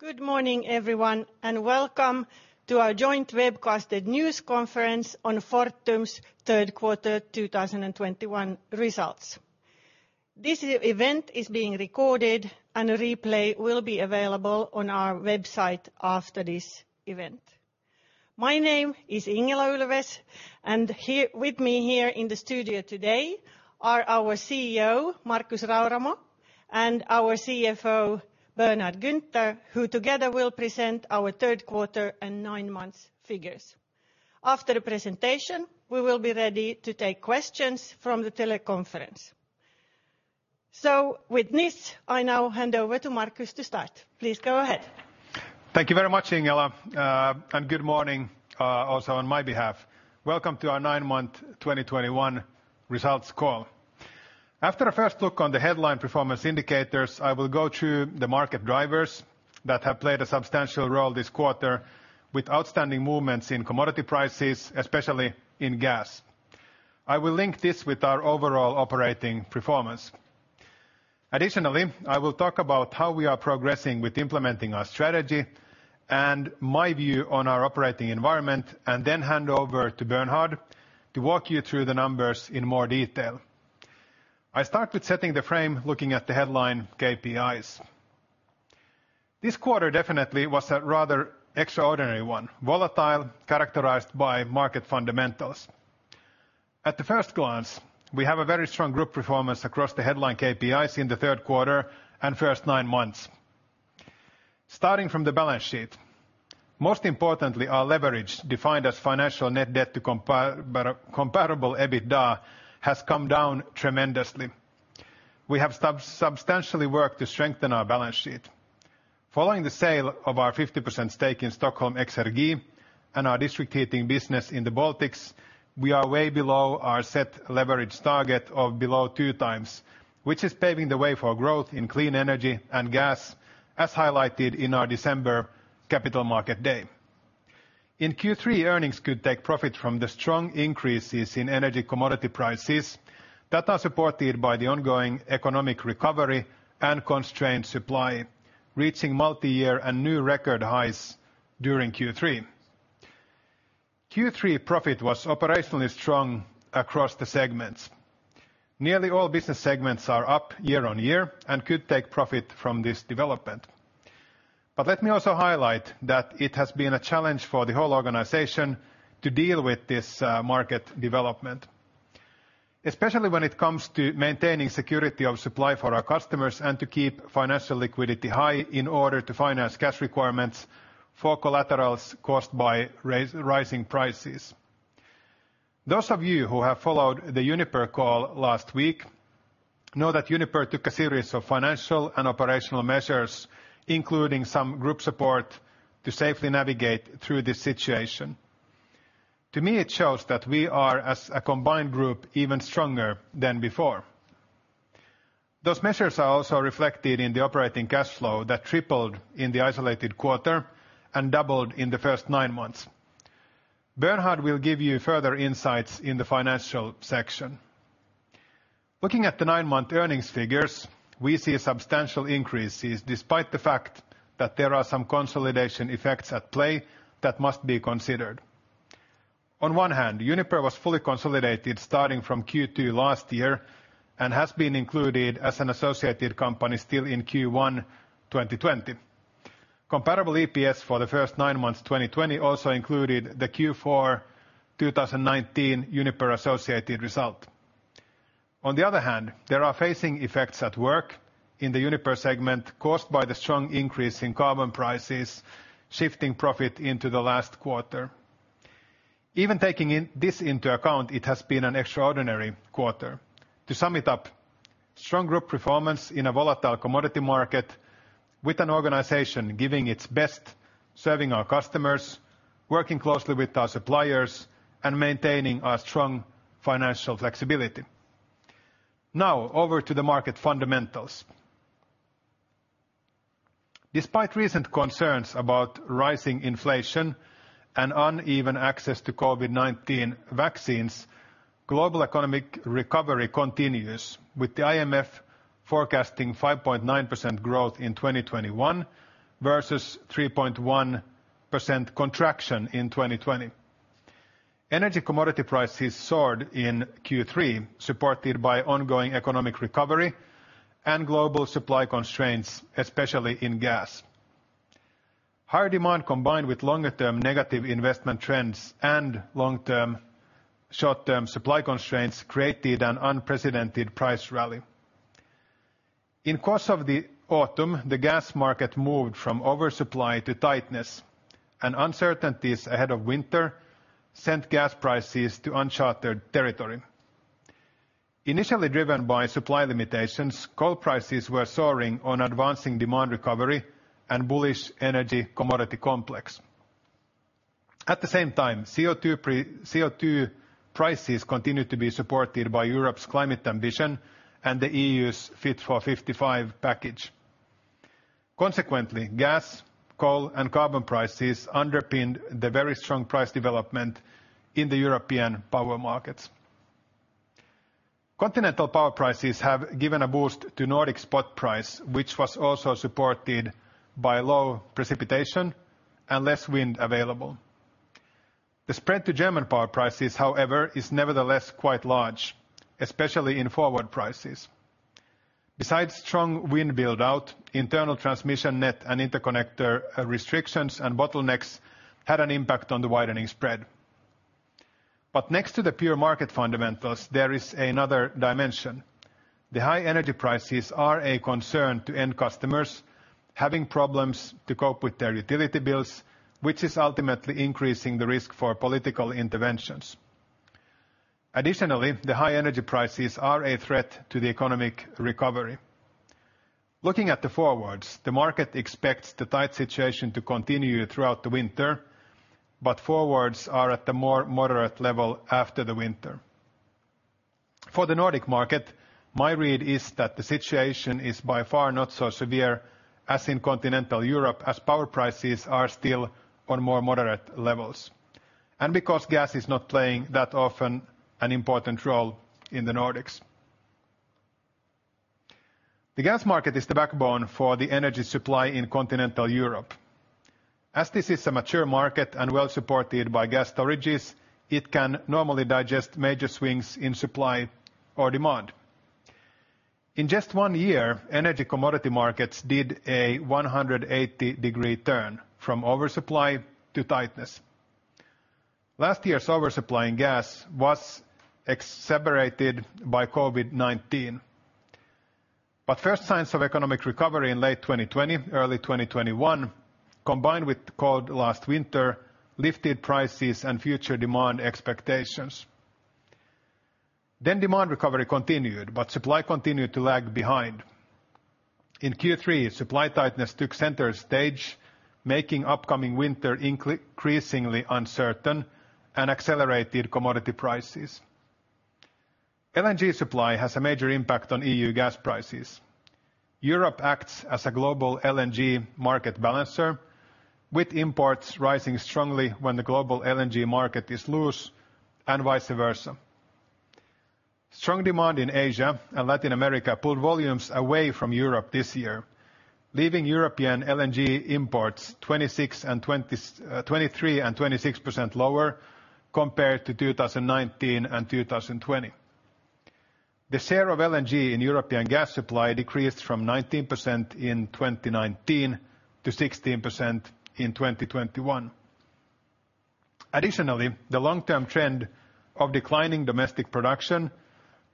Good morning, everyone, and welcome to our joint webcasted news conference on Fortum's Third Quarter 2021 Results. This event is being recorded, and a replay will be available on our website after this event. My name is Ingela Ulfves, and here with me here in the studio today are our CEO, Markus Rauramo, and our CFO, Bernhard Günther, who together will present our third quarter and nine months figures. After the presentation, we will be ready to take questions from the teleconference. With this, I now hand over to Markus to start. Please go ahead. Thank you very much, Ingela. Good morning, also on my behalf. Welcome to our nine month 2021 results call. After a first look on the headline performance indicators, I will go through the market drivers that have played a substantial role this quarter with outstanding movements in commodity prices, especially in gas. I will link this with our overall operating performance. Additionally, I will talk about how we are progressing with implementing our strategy and my view on our operating environment, and then hand over to Bernhard to walk you through the numbers in more detail. I start with setting the frame looking at the headline KPIs. This quarter definitely was a rather extraordinary one, volatile, characterized by market fundamentals. At the first glance, we have a very strong group performance across the headline KPIs in the third quarter and first 9 months. Starting from the balance sheet, most importantly, our leverage defined as financial net debt to comparable Adjusted EBITDA has come down tremendously. We have substantially worked to strengthen our balance sheet. Following the sale of our 50% stake in Stockholm Exergi and our district heating business in the Baltics, we are way below our set leverage target of below 2x, which is paving the way for growth in clean energy and gas as highlighted in our December capital market day. In Q3, earnings could take profit from the strong increases in energy commodity prices that are supported by the ongoing economic recovery and constrained supply, reaching multiyear and new record highs during Q3. Q3 profit was operationally strong across the segments. Nearly all business segments are up YoY and could take profit from this development. Let me also highlight that it has been a challenge for the whole organization to deal with this, market development, especially when it comes to maintaining security of supply for our customers and to keep financial liquidity high in order to finance cash requirements for collaterals caused by rising prices. Those of you who have followed the Uniper call last week know that Uniper took a series of financial and operational measures, including some group support, to safely navigate through this situation. To me, it shows that we are, as a combined group, even stronger than before. Those measures are also reflected in the operating cash flow that tripled in the isolated quarter and doubled in the first nine months. Bernhard will give you further insights in the financial section. Looking at the nine-month earnings figures, we see substantial increases despite the fact that there are some consolidation effects at play that must be considered. On one hand, Uniper was fully consolidated starting from Q2 last year and has been included as an associated company still in Q1 2020. Comparable EPS for the first nine months 2020 also included the Q4 2019 Uniper associated result. On the other hand, there are phasing effects at work in the Uniper segment caused by the strong increase in carbon prices shifting profit into the last quarter. Even taking this into account, it has been an extraordinary quarter. To sum it up, strong group performance in a volatile commodity market with an organization giving its best, serving our customers, working closely with our suppliers, and maintaining a strong financial flexibility. Now over to the market fundamentals. Despite recent concerns about rising inflation and uneven access to COVID-19 vaccines, global economic recovery continues, with the IMF forecasting 5.9% growth in 2021 versus 3.1% contraction in 2020. Energy commodity prices soared in Q3, supported by ongoing economic recovery and global supply constraints, especially in gas. Higher demand combined with longer-term negative investment trends and short-term supply constraints created an unprecedented price rally. In the course of the autumn, the gas market moved from oversupply to tightness, and uncertainties ahead of winter sent gas prices to uncharted territory. Initially driven by supply limitations, coal prices were soaring on advancing demand recovery and bullish energy commodity complex. At the same time, CO2 prices continued to be supported by Europe's climate ambition and the EU's Fit for 55 package. Consequently, gas, coal, and carbon prices underpinned the very strong price development in the European power markets. Continental power prices have given a boost to Nordic spot price, which was also supported by low precipitation and less wind available. The spread to German power prices, however, is nevertheless quite large, especially in forward prices. Besides strong wind build-out, internal transmission network and interconnector restrictions and bottlenecks had an impact on the widening spread. Next to the pure market fundamentals, there is another dimension. The high energy prices are a concern to end customers having problems to cope with their utility bills, which is ultimately increasing the risk for political interventions. Additionally, the high energy prices are a threat to the economic recovery. Looking at the forwards, the market expects the tight situation to continue throughout the winter, but forwards are at the more moderate level after the winter. For the Nordic market, my read is that the situation is by far not so severe as in continental Europe, as power prices are still on more moderate levels, and because gas is not playing that often an important role in the Nordics. The gas market is the backbone for the energy supply in continental Europe. As this is a mature market and well supported by gas storages, it can normally digest major swings in supply or demand. In just one year, energy commodity markets did a 180-degree turn from oversupply to tightness. Last year's oversupply in gas was exacerbated by COVID-19. But first signs of economic recovery in late 2020, early 2021, combined with cold last winter, lifted prices and future demand expectations. Demand recovery continued, but supply continued to lag behind. In Q3, supply tightness took center stage, making upcoming winter increasingly uncertain and accelerated commodity prices. LNG supply has a major impact on EU gas prices. Europe acts as a global LNG market balancer, with imports rising strongly when the global LNG market is loose and vice versa. Strong demand in Asia and Latin America pulled volumes away from Europe this year, leaving European LNG imports 23% - 26% lower compared to 2019 and 2020. The share of LNG in European gas supply decreased from 19% in 2019 to 16% in 2021. Additionally, the long-term trend of declining domestic production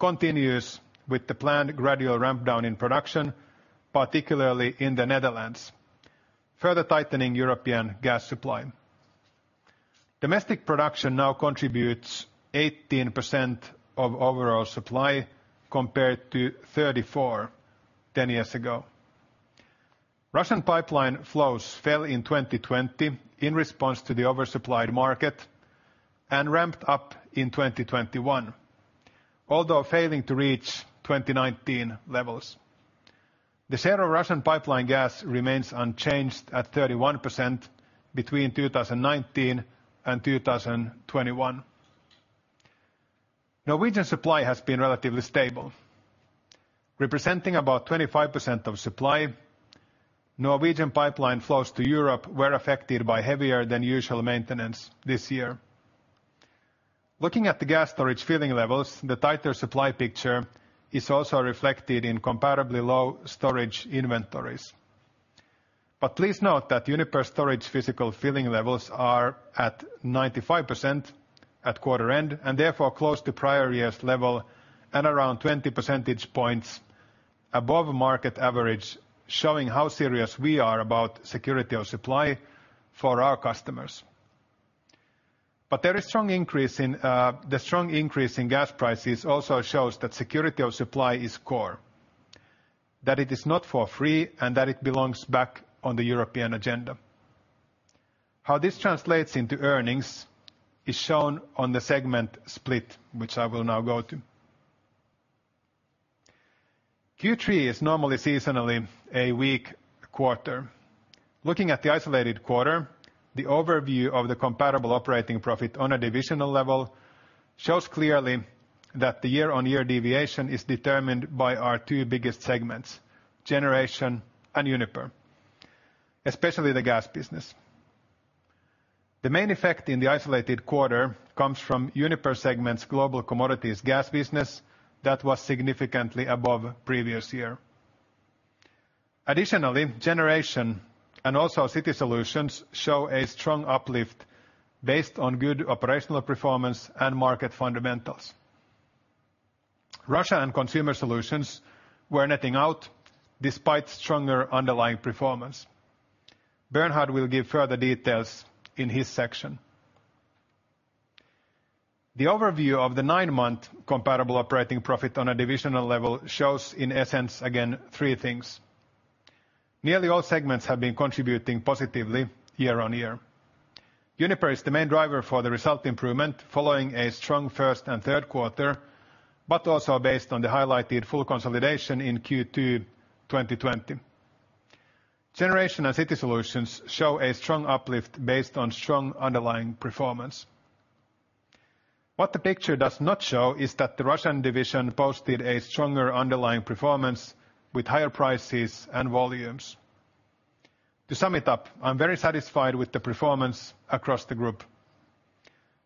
continues with the planned gradual ramp down in production, particularly in the Netherlands, further tightening European gas supply. Domestic production now contributes 18% of overall supply compared to 34% 10 years ago. Russian pipeline flows fell in 2020 in response to the oversupplied market and ramped up in 2021, although failing to reach 2019 levels. The share of Russian pipeline gas remains unchanged at 31% between 2019 - 2021. Norwegian supply has been relatively stable. Representing about 25% of supply, Norwegian pipeline flows to Europe were affected by heavier than usual maintenance this year. Looking at the gas storage filling levels, the tighter supply picture is also reflected in comparably low storage inventories. Please note that Uniper storage physical filling levels are at 95% at quarter end, and therefore close to prior years level and around 20% points above market average, showing how serious we are about security of supply for our customers. There is a strong increase in gas prices also shows that security of supply is core, that it is not for free, and that it belongs back on the European agenda. How this translates into earnings is shown on the segment split, which I will now go to. Q3 is normally seasonally a weak quarter. Looking at the isolated quarter, the overview of the Comparable Operating Profit on a divisional level shows clearly that the YoY deviation is determined by our two biggest segments, Generation and Uniper, especially the gas business. The main effect in the isolated quarter comes from Uniper segment's Global Commodities gas business that was significantly above previous year. Additionally, Generation and also City Solutions show a strong uplift based on good operational performance and market fundamentals. Russia and Consumer Solutions were netting out despite stronger underlying performance. Bernhard will give further details in his section. The overview of the nine-month comparable operating profit on a divisional level shows in essence, again, three things. Nearly all segments have been contributing positively YoY. Uniper is the main driver for the result improvement following a strong first and third quarter, but also based on the highlighted full consolidation in Q2 2020. Generation and City Solutions show a strong uplift based on strong underlying performance. What the picture does not show is that the Russian division posted a stronger underlying performance with higher prices and volumes. To sum it up, I'm very satisfied with the performance across the group.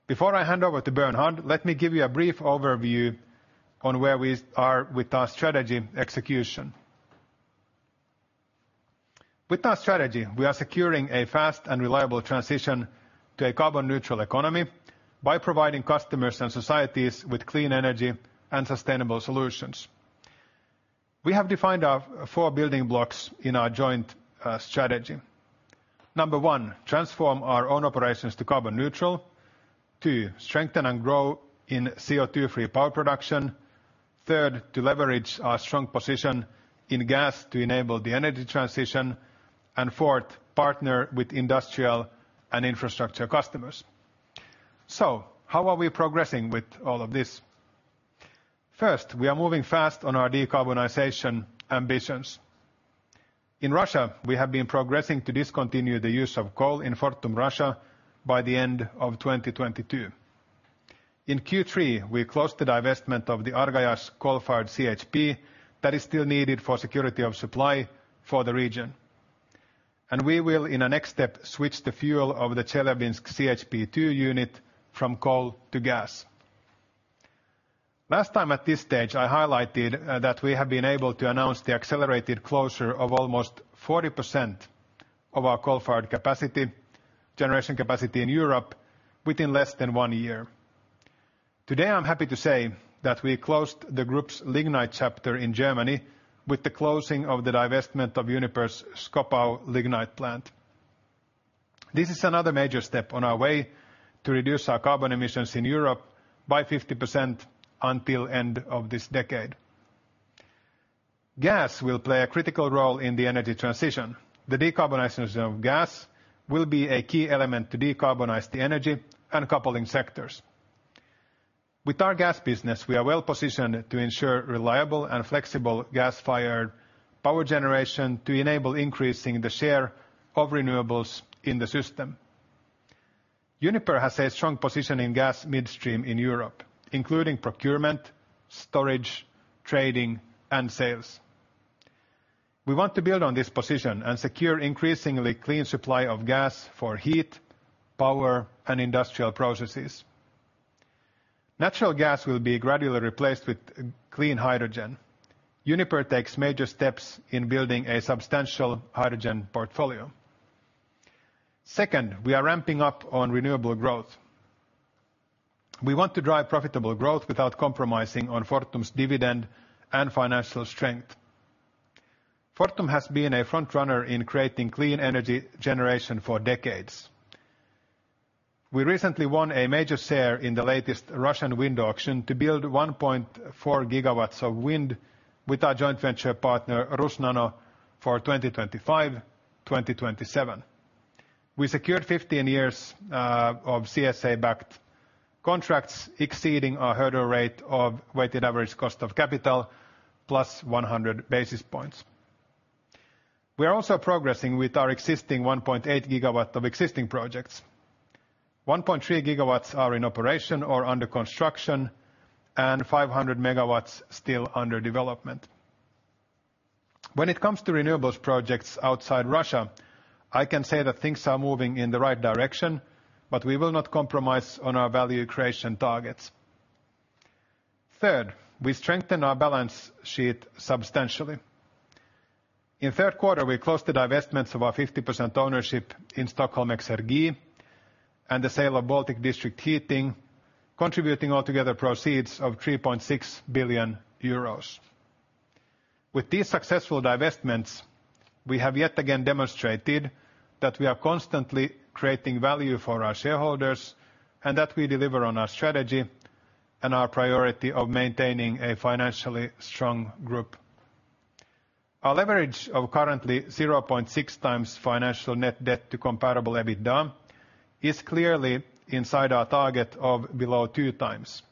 Before I hand over to Bernhard, let me give you a brief overview on where we are with our strategy execution. With our strategy, we are securing a fast and reliable transition to a carbon-neutral economy by providing customers and societies with clean energy and sustainable solutions. We have defined our four building blocks in our joint strategy. Number one, transform our own operations to carbon neutral. Two, strengthen and grow in CO2-free power production. Third, to leverage our strong position in gas to enable the energy transition. Fourth, partner with industrial and infrastructure customers. How are we progressing with all of this? First, we are moving fast on our decarbonization ambitions. In Russia, we have been progressing to discontinue the use of coal in Fortum Russia by the end of 2022. In Q3, we closed the divestment of the Argayash coal-fired CHP that is still needed for security of supply for the region. We will, in the next step, switch the fuel of the Chelyabinsk CHP-2 unit from coal to gas. Last time at this stage, I highlighted that we have been able to announce the accelerated closure of almost 40% of our coal-fired capacity, generation capacity in Europe, within less than one year. Today, I'm happy to say that we closed the group's lignite chapter in Germany with the closing of the divestment of Uniper's Schkopau lignite plant. This is another major step on our way to reduce our carbon emissions in Europe by 50% until end of this decade. Gas will play a critical role in the energy transition. The decarbonization of gas will be a key element to decarbonize the energy and coupling sectors. With our gas business, we are well-positioned to ensure reliable and flexible gas-fired power generation to enable increasing the share of renewables in the system. Uniper has a strong position in gas midstream in Europe, including procurement, storage, trading, and sales. We want to build on this position and secure increasingly clean supply of gas for heat, power, and industrial processes. Natural gas will be gradually replaced with clean hydrogen. Uniper takes major steps in building a substantial hydrogen portfolio. Second, we are ramping up on renewable growth. We want to drive profitable growth without compromising on Fortum's dividend and financial strength. Fortum has been a frontrunner in creating clean energy generation for decades. We recently won a major share in the latest Russian wind auction to build 1.4 GW of wind with our joint venture partner, Rusnano, for 2025, 2027. We secured 15 years of CSA-backed contracts exceeding our hurdle rate of weighted average cost of capital +100 basis points. We are also progressing with our existing 1.8 GW of existing projects. 1.3 GW are in operation or under construction, and 500 MW still under development. When it comes to renewables projects outside Russia, I can say that things are moving in the right direction, but we will not compromise on our value creation targets. Third, we strengthen our balance sheet substantially. In third quarter, we closed the divestments of our 50% ownership in Stockholm Exergi and the sale of Baltic District Heating, contributing altogether proceeds of 3.6 billion euros. With these successful divestments, we have yet again demonstrated that we are constantly creating value for our shareholders and that we deliver on our strategy and our priority of maintaining a financially strong group. Our leverage of currently 0.6 times financial net debt to comparable Adjusted EBITDA is clearly inside our target of below two times,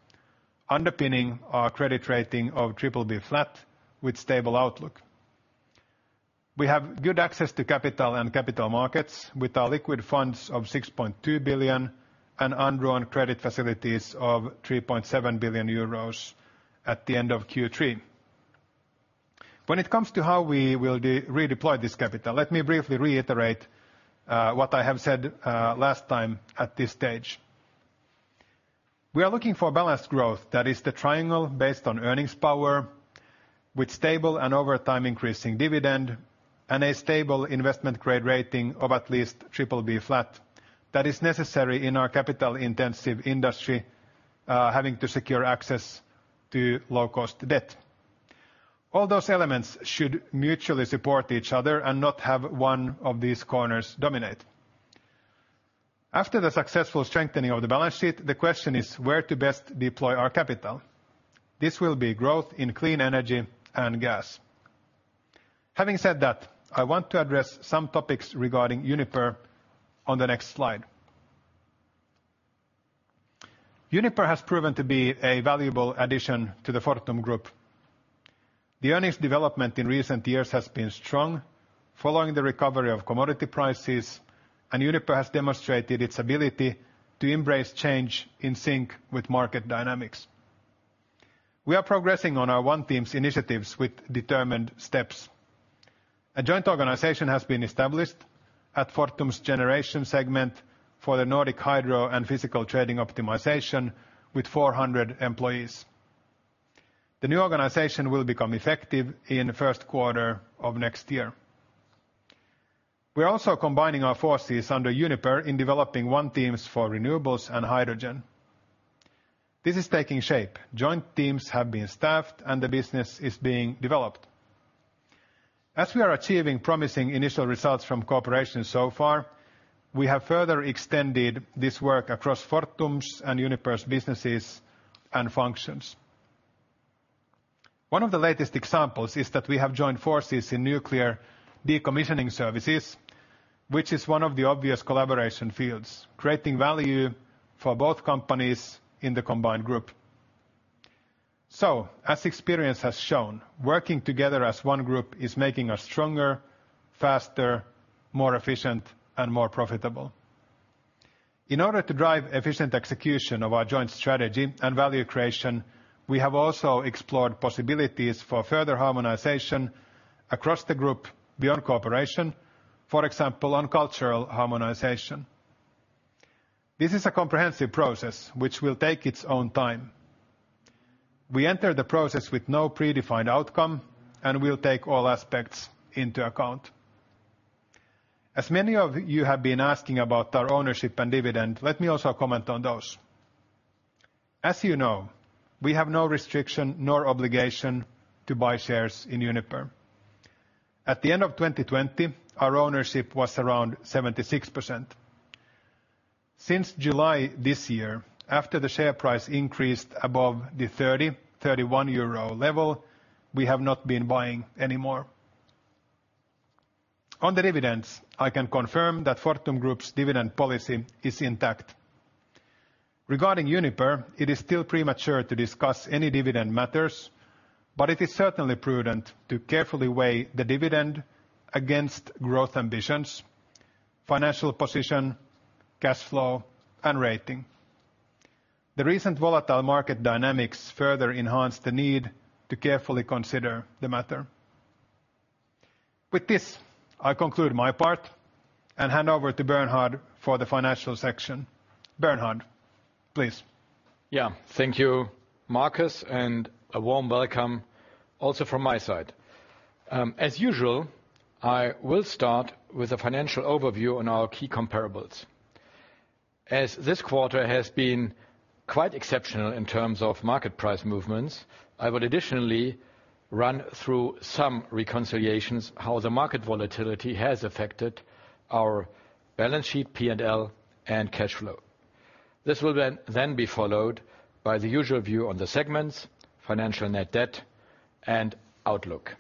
underpinning our credit rating of BBB flat with stable outlook. We have good access to capital and capital markets with our liquid funds of 6.2 billion and undrawn credit facilities of 3.7 billion euros at the end of Q3. When it comes to how we will redeploy this capital, let me briefly reiterate what I have said last time at this stage. We are looking for balanced growth, that is, the triangle based on earnings power with stable and over time increasing dividend and a stable investment-grade rating of at least triple B flat, that is necessary in our capital-intensive industry, having to secure access to low-cost debt. All those elements should mutually support each other and not have one of these corners dominate. After the successful strengthening of the balance sheet, the question is where to best deploy our capital. This will be growth in clean energy and gas. Having said that, I want to address some topics regarding Uniper on the next slide. Uniper has proven to be a valuable addition to the Fortum Group. The earnings development in recent years has been strong following the recovery of commodity prices, and Uniper has demonstrated its ability to embrace change in sync with market dynamics. We are progressing on our One Team initiatives with determined steps. A joint organization has been established at Fortum's generation segment for the Nordic Hydro and physical trading optimization with 400 employees. The new organization will become effective in the first quarter of next year. We're also combining our forces under Uniper in developing One Team for renewables and hydrogen. This is taking shape. Joint teams have been staffed, and the business is being developed. As we are achieving promising initial results from cooperation so far, we have further extended this work across Fortum's and Uniper's businesses and functions. One of the latest examples is that we have joined forces in nuclear decommissioning services, which is one of the obvious collaboration fields, creating value for both companies in the combined group. As experience has shown, working together as one group is making us stronger, faster, more efficient, and more profitable. In order to drive efficient execution of our joint strategy and value creation, we have also explored possibilities for further harmonization across the group beyond cooperation, for example on cultural harmonization. This is a comprehensive process which will take its own time. We enter the process with no predefined outcome, and we'll take all aspects into account. As many of you have been asking about our ownership and dividend, let me also comment on those. As you know, we have no restriction nor obligation to buy shares in Uniper. At the end of 2020, our ownership was around 76%. Since July this year, after the share price increased above the 30 EUR - 31 euro level, we have not been buying any more. On the dividends, I can confirm that Fortum Group's dividend policy is intact. Regarding Uniper, it is still premature to discuss any dividend matters, but it is certainly prudent to carefully weigh the dividend against growth ambitions, financial position, cash flow, and rating. The recent volatile market dynamics further enhance the need to carefully consider the matter. With this, I conclude my part and hand over to Bernhard for the financial section. Bernhard, please. Yeah. Thank you, Markus, and a warm welcome also from my side. As usual, I will start with a financial overview on our key comparables. As this quarter has been quite exceptional in terms of market price movements, I would additionally run through some reconciliations how the market volatility has affected our balance sheet, P&L, and cash flow. This will then be followed by the usual view on the segments, financial net debt, and outlook.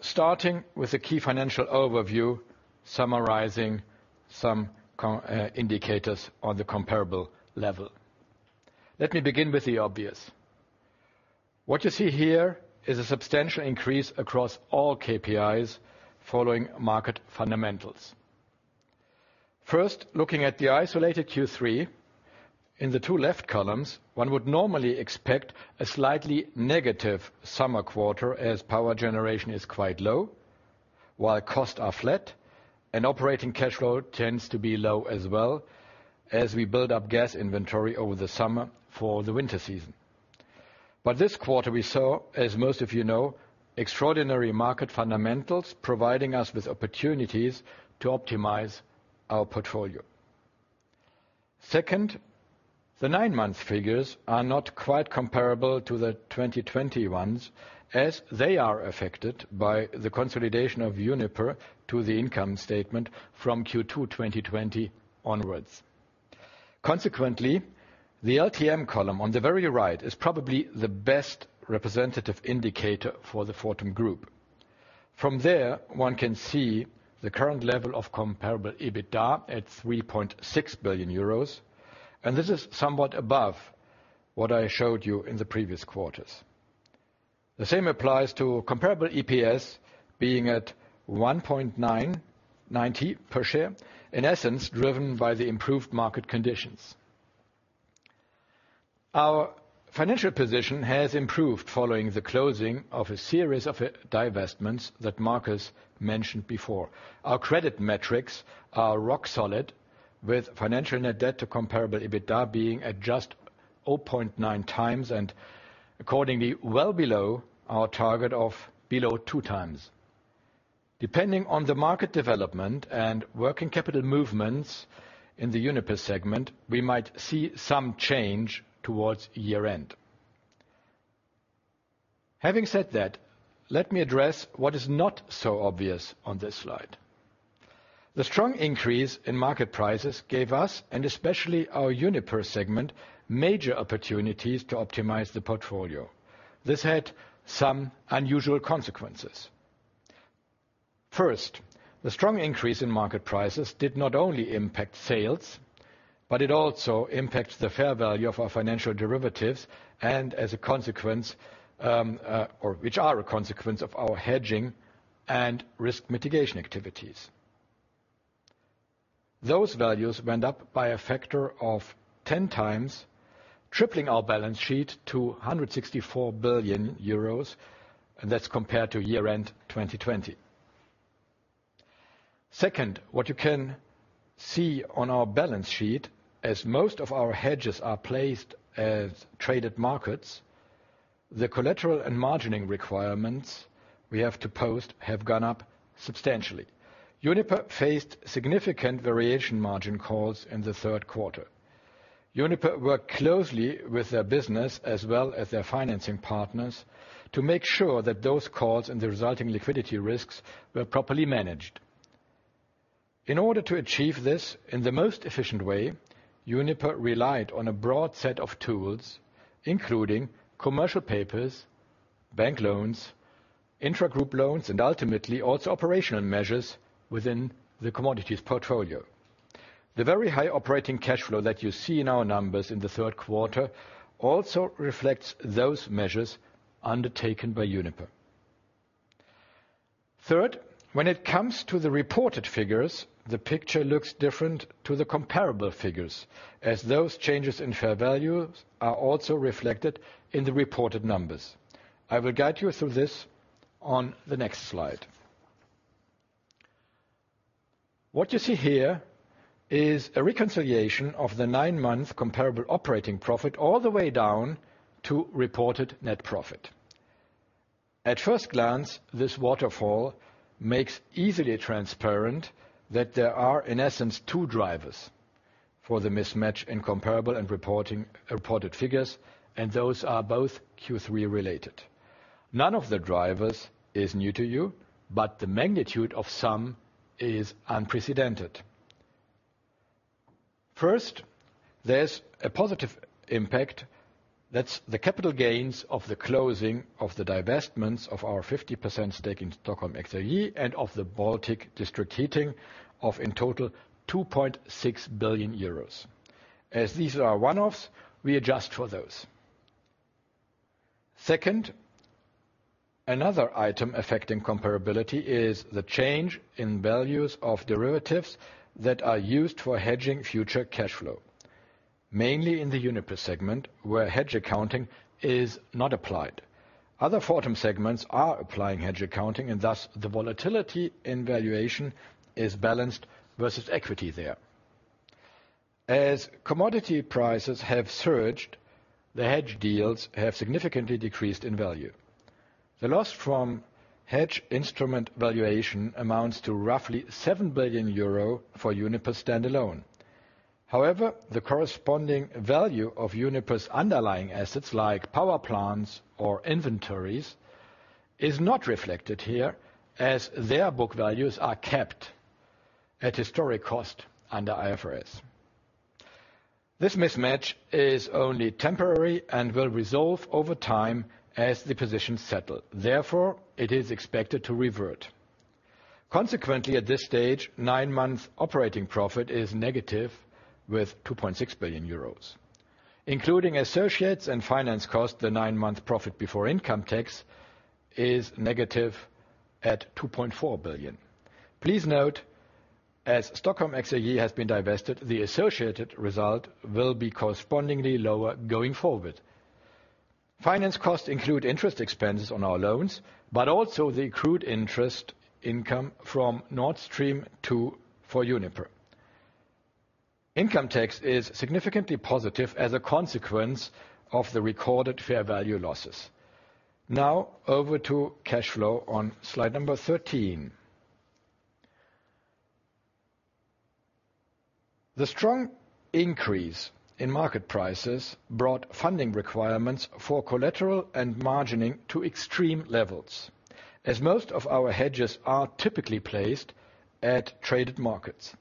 Starting with the key financial overview summarizing some comparable indicators on the comparable level. Let me begin with the obvious. What you see here is a substantial increase across all KPIs following market fundamentals. First, looking at the isolated Q3 in the two left columns, one would normally expect a slightly negative summer quarter as power generation is quite low, while costs are flat and operating cash flow tends to be low as well as we build up gas inventory over the summer for the winter season. This quarter we saw, as most of you know, extraordinary market fundamentals providing us with opportunities to optimize our portfolio. Second, the nine-month figures are not quite comparable to the 2020 ones, as they are affected by the consolidation of Uniper to the income statement from Q2 2020 onwards. Consequently, the LTM column on the very right is probably the best representative indicator for the Fortum Group. From there, one can see the current level of comparable Adjusted EBITDA at 3.6 billion euros, and this is somewhat above what I showed you in the previous quarters. The same applies to comparable EPS being at 1.99 per share, in essence, driven by the improved market conditions. Our financial position has improved following the closing of a series of divestments that Markus mentioned before. Our credit metrics are rock solid with financial net debt to comparable Adjusted EBITDA being at just 0.9 times and accordingly well below our target of below two times. Depending on the market development and working capital movements in the Uniper segment, we might see some change towards year-end. Having said that, let me address what is not so obvious on this slide. The strong increase in market prices gave us, and especially our Uniper segment, major opportunities to optimize the portfolio. This had some unusual consequences. First, the strong increase in market prices did not only impact sales, but it also impacts the fair value of our financial derivatives, and as a consequence, or which are a consequence of our hedging and risk mitigation activities. Those values went up by a factor of ten times, tripling our balance sheet to 164 billion euros, and that's compared to year-end 2020. Second, what you can see on our balance sheet, as most of our hedges are placed in traded markets, the collateral and margining requirements we have to post have gone up substantially. Uniper faced significant variation margin calls in the third quarter. Uniper worked closely with their business as well as their financing partners to make sure that those calls and the resulting liquidity risks were properly managed. In order to achieve this in the most efficient way, Uniper relied on a broad set of tools, including commercial papers, bank loans, intra-group loans, and ultimately also operational measures within the commodities portfolio. The very high operating cash flow that you see in our numbers in the third quarter also reflects those measures undertaken by Uniper. Third, when it comes to the reported figures, the picture looks different to the comparable figures as those changes in fair value are also reflected in the reported numbers. I will guide you through this on the next slide. What you see here is a reconciliation of the nine-month Comparable operating profit all the way down to reported net profit. At first glance, this waterfall makes easily transparent that there are, in essence, two drivers for the mismatch in comparable and reporting, reported figures, and those are both Q3 related. None of the drivers is new to you, but the magnitude of some is unprecedented. First, there's a positive impact. That's the capital gains of the closing of the divestments of our 50% stake in Stockholm Exergi and of the Baltic district heating of in total 2.6 billion euros. As these are one-offs, we adjust for those. Second, another item affecting comparability is the change in values of derivatives that are used for hedging future cash flow, mainly in the Uniper segment where hedge accounting is not applied. Other Fortum segments are applying hedge accounting and thus the volatility in valuation is balanced versus equity there. As commodity prices have surged, the hedge deals have significantly decreased in value. The loss from hedge instrument valuation amounts to roughly 7 billion euro for Uniper standalone. However, the corresponding value of Uniper's underlying assets like power plants or inventories is not reflected here as their book values are kept at historic cost under IFRS. This mismatch is only temporary and will resolve over time as the positions settle. Therefore, it is expected to revert. Consequently, at this stage, nine-month operating profit is negative with 2.6 billion euros. Including associates and finance cost, the nine-month profit before income tax is negative at 2.4 billion. Please note, as Stockholm Exergi has been divested, the associated result will be correspondingly lower going forward. Finance costs include interest expenses on our loans, but also the accrued interest income from Nord Stream 2 for Uniper. Income tax is significantly positive as a consequence of the recorded fair value losses. Now over to cash flow on slide number 13. The strong increase in market prices brought funding requirements for collateral and margining to extreme levels, as most of our hedges are typically placed at traded markets.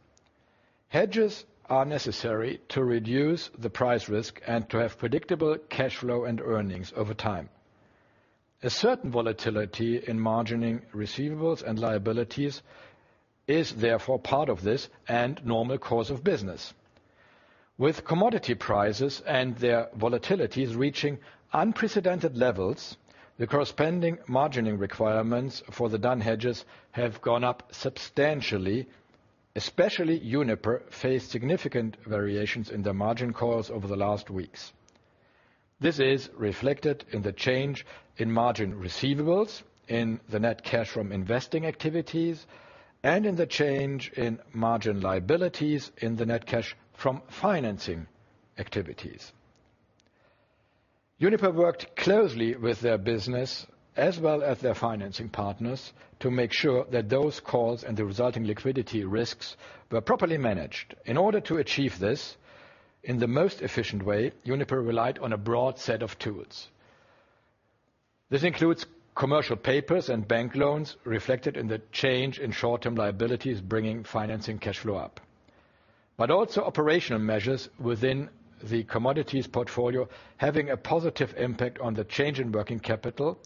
Hedges are necessary to reduce the price risk and to have predictable cash flow and earnings over time. A certain volatility in margining receivables and liabilities is therefore part of this and normal course of business. With commodity prices and their volatilities reaching unprecedented levels, the corresponding margining requirements for the done hedges have gone up substantially, especially Uniper faced significant variations in their margin calls over the last weeks. This is reflected in the change in margin receivables in the net cash from investing activities and in the change in margin liabilities in the net cash from financing activities. Uniper worked closely with their business as well as their financing partners to make sure that those calls and the resulting liquidity risks were properly managed. In order to achieve this in the most efficient way, Uniper relied on a broad set of tools. This includes commercial papers and bank loans reflected in the change in short-term liabilities, bringing financing cash flow up. But also operational measures within the commodities portfolio having a positive impact on the change in working capital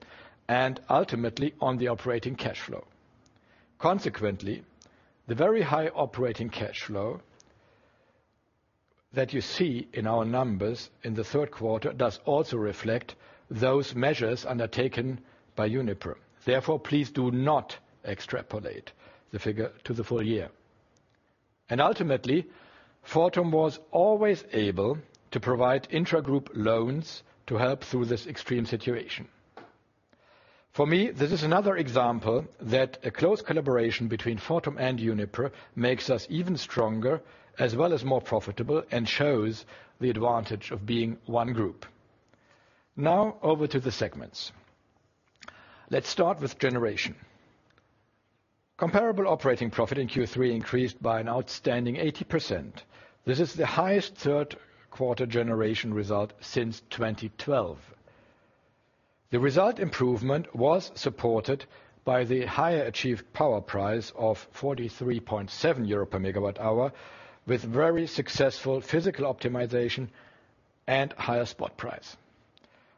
and ultimately on the operating cash flow. Consequently, the very high operating cash flow that you see in our numbers in the third quarter does also reflect those measures undertaken by Uniper. Therefore, please do not extrapolate the figure to the full year. Ultimately, Fortum was always able to provide intragroup loans to help through this extreme situation. For me, this is another example that a close collaboration between Fortum and Uniper makes us even stronger as well as more profitable, and shows the advantage of being one group. Now over to the segments. Let's start with generation. Comparable operating profit in Q3 increased by an outstanding 80%. This is the highest third quarter generation result since 2012. The result improvement was supported by the higher achieved power price of 43.7 euro per MWh, with very successful physical optimization and higher spot price.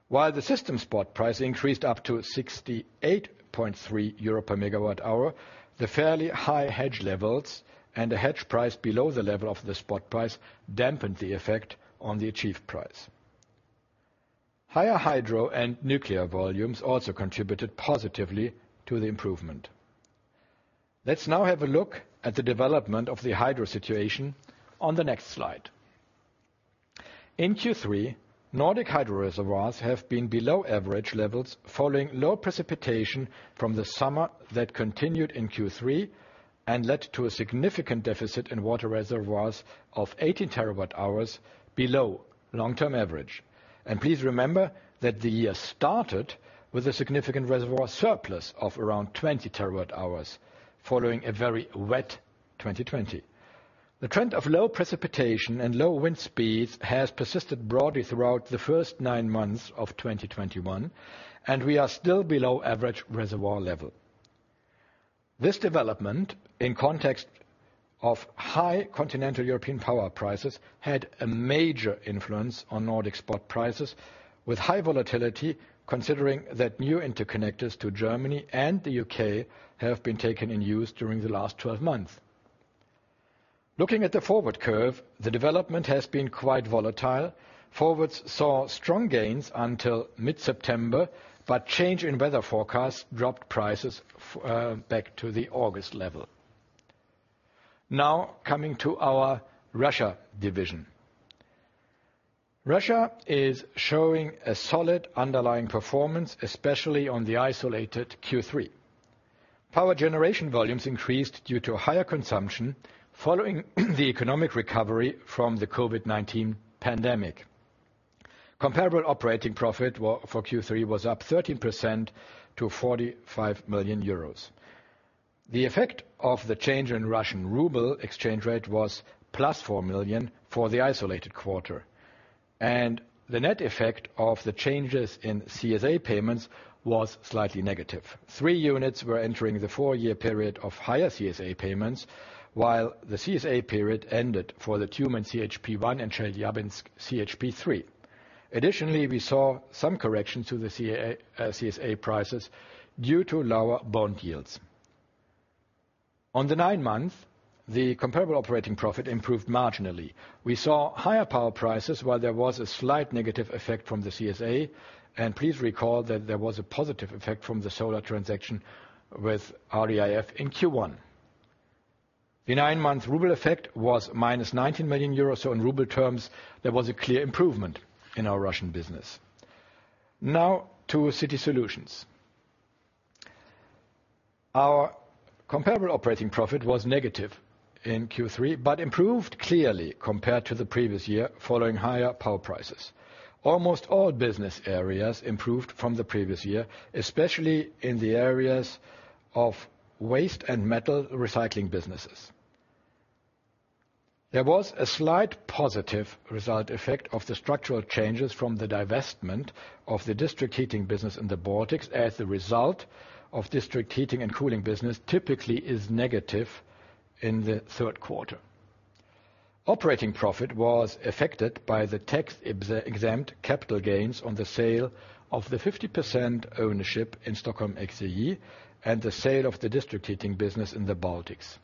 While the system spot price increased up to 68.3 euro per MWh, the fairly high hedge levels and the hedge price below the level of the spot price dampened the effect on the achieved price. Higher hydro and nuclear volumes also contributed positively to the improvement. Let's now have a look at the development of the hydro situation on the next slide. In Q3, Nordic Hydro reservoirs have been below average levels following low precipitation from the summer that continued in Q3 and led to a significant deficit in water reservoirs of 18 TWh below long-term average. Please remember that the year started with a significant reservoir surplus of around 20 TWh following a very wet 2020. The trend of low precipitation and low wind speeds has persisted broadly throughout the first nine months of 2021, and we are still below average reservoir level. This development, in context of high continental European power prices, had a major influence on Nordic spot prices with high volatility, considering that new interconnectors to Germany and the U.K. have been taken in use during the last 12 months. Looking at the forward curve, the development has been quite volatile. Forwards saw strong gains until mid-September, but change in weather forecasts dropped prices back to the August level. Now coming to our Russia division. Russia is showing a solid underlying performance, especially on the isolated Q3. Power generation volumes increased due to higher consumption following the economic recovery from the COVID-19 pandemic. Comparable operating profit for Q3 was up 13% to 45 million euros. The effect of the change in Russian ruble exchange rate was +4 million for the isolated quarter, and the net effect of the changes in CSA payments was slightly negative. Three units were entering the four year period of higher CSA payments while the CSA period ended for the Tyumen CHP-1 and Chelyabinsk CHP-3. Additionally, we saw some correction to the CSA prices due to lower bond yields. On the nine months, the Comparable operating profit improved marginally. We saw higher power prices while there was a slight negative effect from the CSA. Please recall that there was a positive effect from the solar transaction with REIF in Q1. The nine-month ruble effect was -19 million euros. In ruble terms, there was a clear improvement in our Russian business. Now to City Solutions. Our Comparable operating profit was negative in Q3, but improved clearly compared to the previous year following higher power prices. Almost all business areas improved from the previous year, especially in the areas of waste and metal recycling businesses. There was a slight positive result effect of the structural changes from the divestment of the district heating business in the Baltics as a result of district heating and cooling business typically is negative in the third quarter. Operating profit was affected by the tax-exempt capital gains on the sale of the 50% ownership in Stockholm Exergi and the sale of the district heating business in the Baltics.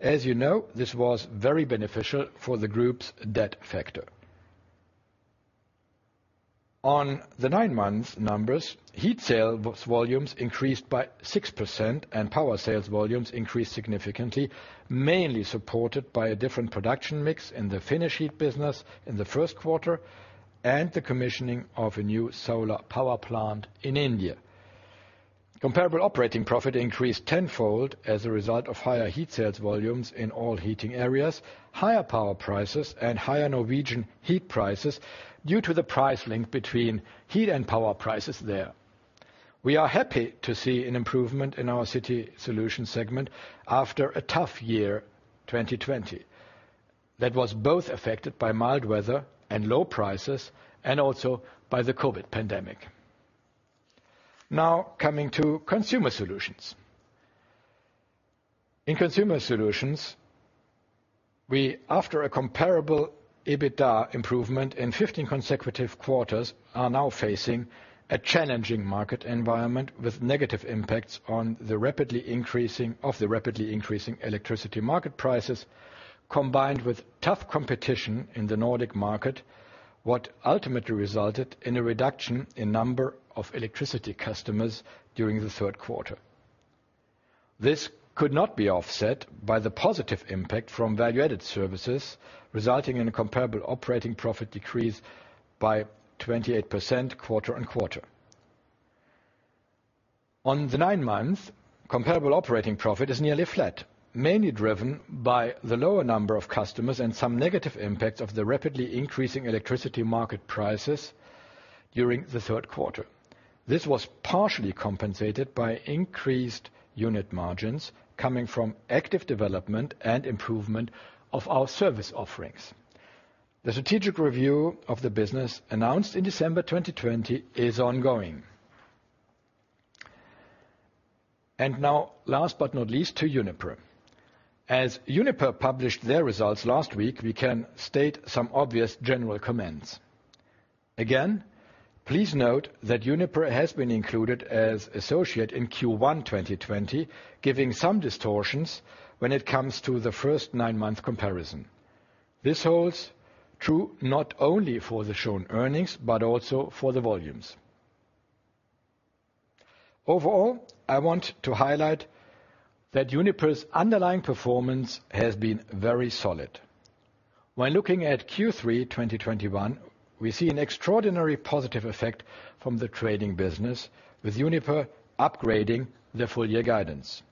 As you know, this was very beneficial for the group's debt factor. On the nine months numbers, heat sales volumes increased by 6% and power sales volumes increased significantly, mainly supported by a different production mix in the Finnish heat business in the first quarter and the commissioning of a new solar power plant in India. Comparable operating profit increased tenfold as a result of higher heat sales volumes in all heating areas, higher power prices and higher Norwegian heat prices due to the price link between heat and power prices there. We are happy to see an improvement in our City Solutions segment after a tough year, 2020, that was both affected by mild weather and low prices, and also by the COVID pandemic. Now coming to consumer solutions. In consumer solutions, we, after a comparable Adjusted EBITDA improvement in 15 consecutive quarters, are now facing a challenging market environment with negative impacts on the rapidly increasing electricity market prices, combined with tough competition in the Nordic market, what ultimately resulted in a reduction in number of electricity customers during the third quarter. This could not be offset by the positive impact from value-added services, resulting in a Comparable operating profit decrease by 28% QoQ. On the nine months, Comparable operating profit is nearly flat, mainly driven by the lower number of customers and some negative impacts of the rapidly increasing electricity market prices during the third quarter. This was partially compensated by increased unit margins coming from active development and improvement of our service offerings. The strategic review of the business announced in December 2020 is ongoing. Now last but not least, to Uniper. As Uniper published their results last week, we can state some obvious general comments. Again, please note that Uniper has been included as associate in Q1 2020, giving some distortions when it comes to the first nine month comparison. This holds true not only for the shown earnings, but also for the volumes. Overall, I want to highlight that Uniper's underlying performance has been very solid. When looking at Q3 2021, we see an extraordinary positive effect from the trading business, with Uniper upgrading their full year guidance.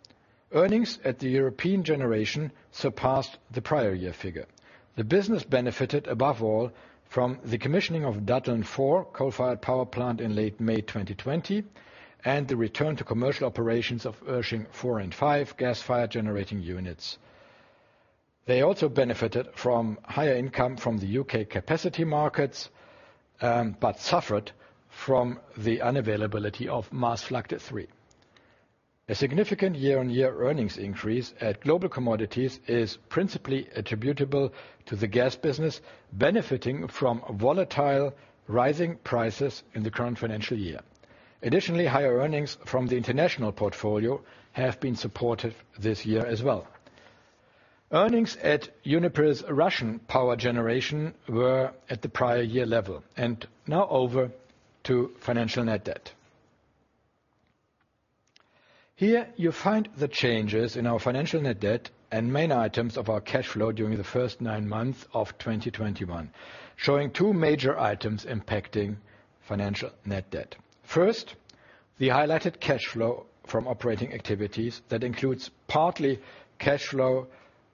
Earnings at the European generation surpassed the prior year figure. The business benefited above all from the commissioning of Datteln 4 coal-fired power plant in late May 2020, and the return to commercial operations of Irsching 4 and 5 gas-fired generating units. They also benefited from higher income from the U.K. capacity markets, but suffered from the unavailability of Maasvlakte 3. A significant YoY earnings increase at Global Commodities is principally attributable to the gas business benefiting from volatile rising prices in the current financial year. Additionally, higher earnings from the international portfolio have been supportive this year as well. Earnings at Uniper's Russian power generation were at the prior year level. Now over to financial net debt. Here you find the changes in our financial net debt and main items of our cash flow during the first nine months of 2021, showing two major items impacting financial net debt. First, the highlighted cash flow from operating activities that includes partly cash flow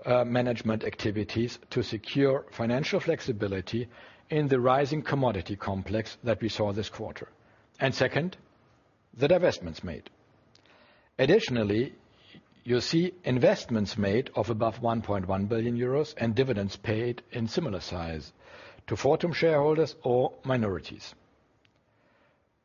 management activities to secure financial flexibility in the rising commodity complex that we saw this quarter. Second, the divestments made. Additionally, you see investments made of above 1.1 billion euros and dividends paid in similar size to Fortum shareholders or minorities.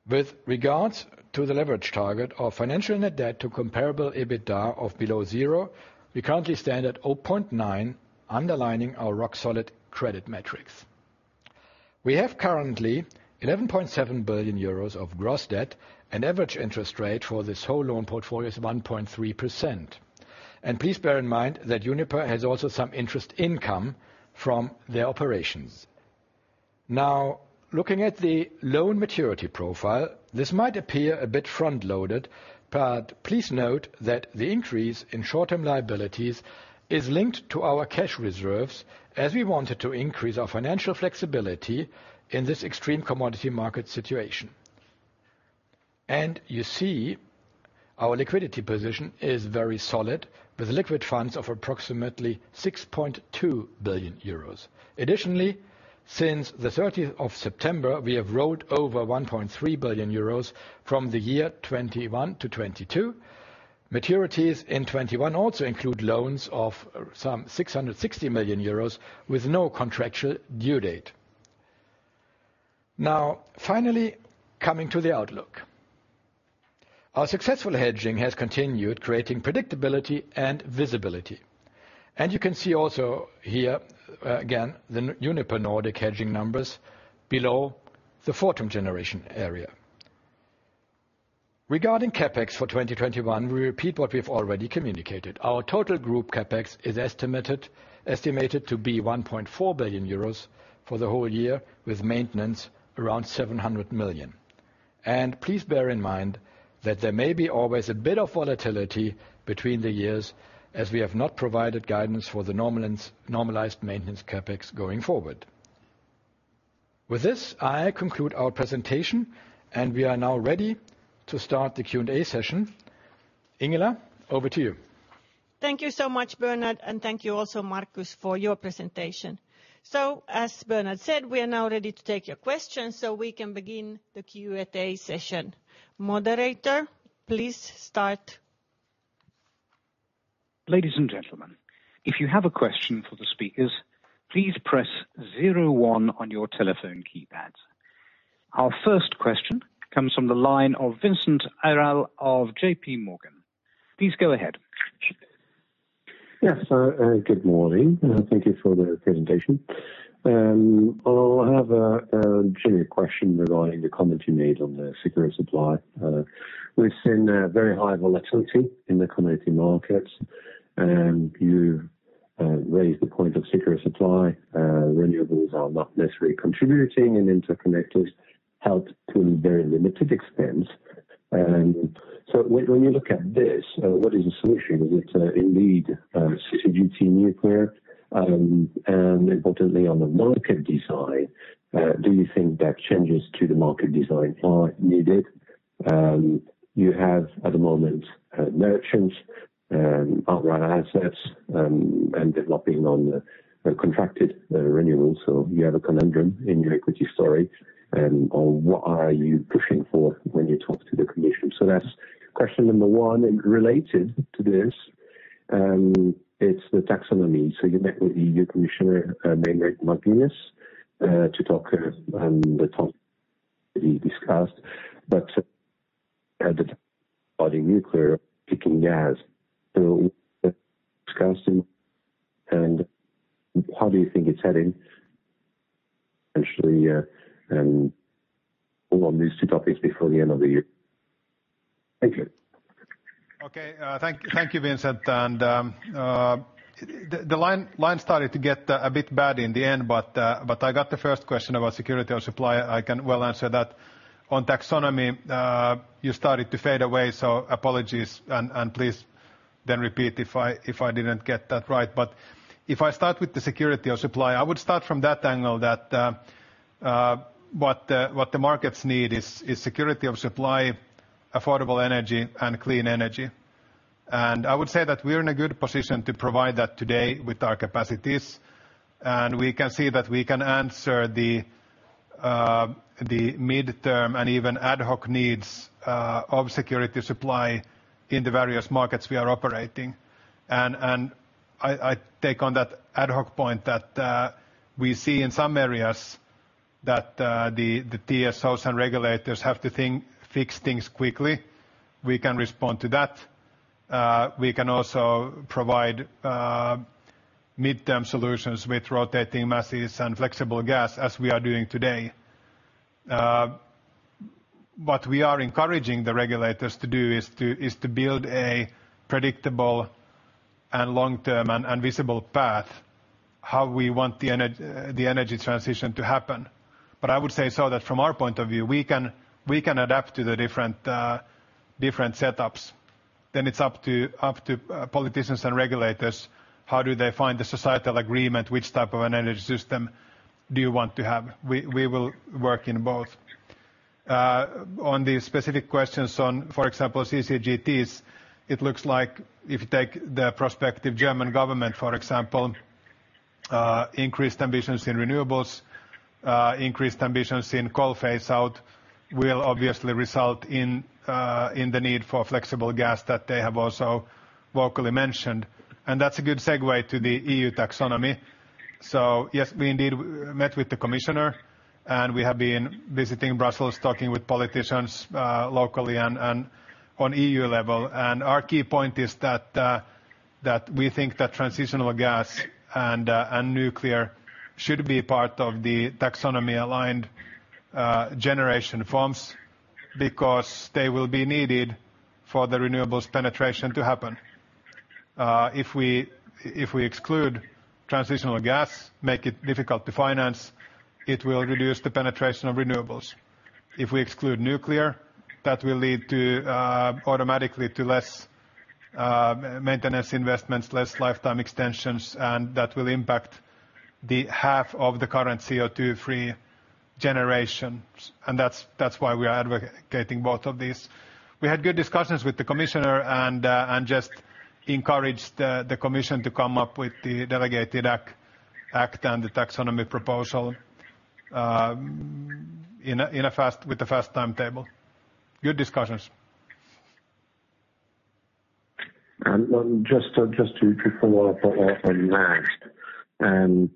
With regards to the leverage target of financial net debt to comparable Adjusted EBITDA of below zero, we currently stand at 0.9, underlining our rock-solid credit metrics. We have currently 11.7 billion euros of gross debt and average interest rate for this whole loan portfolio is 1.3%. Please bear in mind that Uniper has also some interest income from their operations. Now, looking at the loan maturity profile, this might appear a bit front-loaded, but please note that the increase in short-term liabilities is linked to our cash reserves as we wanted to increase our financial flexibility in this extreme commodity market situation. You see our liquidity position is very solid, with liquid funds of approximately 6.2 billion euros. Additionally, since the 13th of September, we have rolled over 1.3 billion euros from the year 2021 - 2022. Maturities in 2021 also include loans of some 660 million euros with no contractual due date. Now finally, coming to the outlook. Our successful hedging has continued, creating predictability and visibility. You can see also here, again, the Uniper Nordic hedging numbers below the Fortum generation area. Regarding CapEx for 2021, we repeat what we've already communicated. Our total group CapEx is estimated to be 1.4 billion euros for the whole year, with maintenance around 700 million. Please bear in mind that there may be always a bit of volatility between the years as we have not provided guidance for the normalized maintenance CapEx going forward. With this, I conclude our presentation and we are now ready to start the Q&A session. Ingela, over to you. Thank you so much, Bernhard, and thank you also, Markus, for your presentation. As Bernhard said, we are now ready to take your questions, so we can begin the Q&A session. Moderator, please start the Ladies and gentlemen, if you have a question for the speakers, please press 01 on your telephone keypads. Our first question comes from the line of Vincent Ayral of JPMorgan. Please go ahead. Yes. Good morning, and thank you for the presentation. I'll have a general question regarding the comment you made on the security of supply. We've seen a very high volatility in the commodity markets, and you raised the point of security of supply. Renewables are not necessarily contributing and interconnectors help to a very limited extent. When you look at this, what is the solution? Is it indeed CCGT nuclear? Importantly on the market design, do you think that changes to the market design are needed? You have at the moment merchants outright assets and depending on the contracted renewables. You have a conundrum in your equity story on what are you pushing for when you talk to the commission. That's question number one. Related to this, it's the taxonomy. You met with EU Commissioner Mairead McGuinness to talk on the topics to be discussed. The vote on nuclear and gas, discussing how do you think it's heading eventually on these two topics before the end of the year? Thank you. Okay, thank you, Vincent. The line started to get a bit bad in the end, but I got the first question about security of supply. I can well answer that. On taxonomy, you started to fade away, so apologies and please then repeat if I didn't get that right. If I start with the security of supply, I would start from that angle that what the markets need is security of supply, affordable energy and clean energy. I would say that we're in a good position to provide that today with our capacities, and we can see that we can answer the midterm and even ad hoc needs of security of supply in the various markets we are operating. I take on that ad hoc point that we see in some areas that the TSOs and regulators have to fix things quickly. We can respond to that. We can also provide midterm solutions with rotating masses and flexible gas, as we are doing today. What we are encouraging the regulators to do is to build a predictable and long-term and visible path, how we want the energy transition to happen. I would say so that from our point of view, we can adapt to the different setups. It's up to politicians and regulators, how do they find the societal agreement, which type of an energy system do you want to have? We will work in both. On the specific questions on, for example, CCGTs, it looks like if you take the prospective German government, for example, increased ambitions in renewables, increased ambitions in coal phase out will obviously result in the need for flexible gas that they have also locally mentioned. That's a good segue to the EU taxonomy. Yes, we indeed met with the commissioner, and we have been visiting Brussels, talking with politicians, locally and on EU level. Our key point is that we think that transitional gas and nuclear should be part of the taxonomy-aligned generation forms because they will be needed for the renewables penetration to happen. If we exclude transitional gas, make it difficult to finance, it will reduce the penetration of renewables. If we exclude nuclear, that will lead to automatically to less maintenance investments, less lifetime extensions, and that will impact the half of the current CO2 free generations. That's why we are advocating both of these. We had good discussions with the commissioner and just encouraged the commission to come up with the delegated act and the taxonomy proposal with a fast timetable. Good discussions. Just to follow up on that and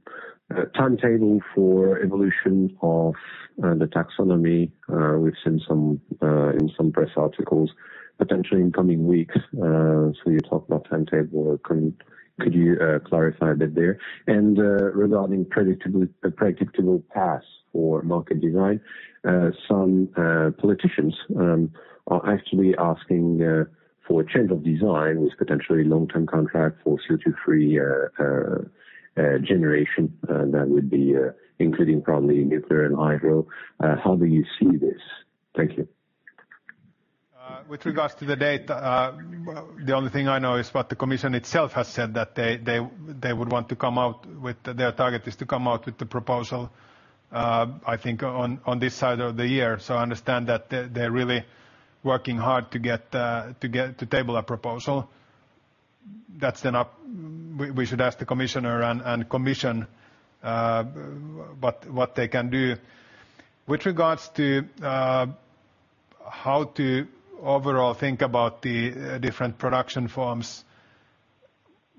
timetable for evolution of the taxonomy, we've seen some in some press articles, potentially in coming weeks. So you talk about timetable, could you clarify a bit there? Regarding a predictable path for market design, some politicians are actually asking for a change of design with potentially long-term contract for CO2 free generation that would be including probably nuclear and hydro. How do you see this? Thank you. With regards to the date, the only thing I know is what the commission itself has said, that they would want to come out with their target is to come out with the proposal, I think on this side of the year. I understand that they're really working hard to get to table a proposal. That's then up. We should ask the Commissioner and Commission what they can do. With regards to how to overall think about the different production forms.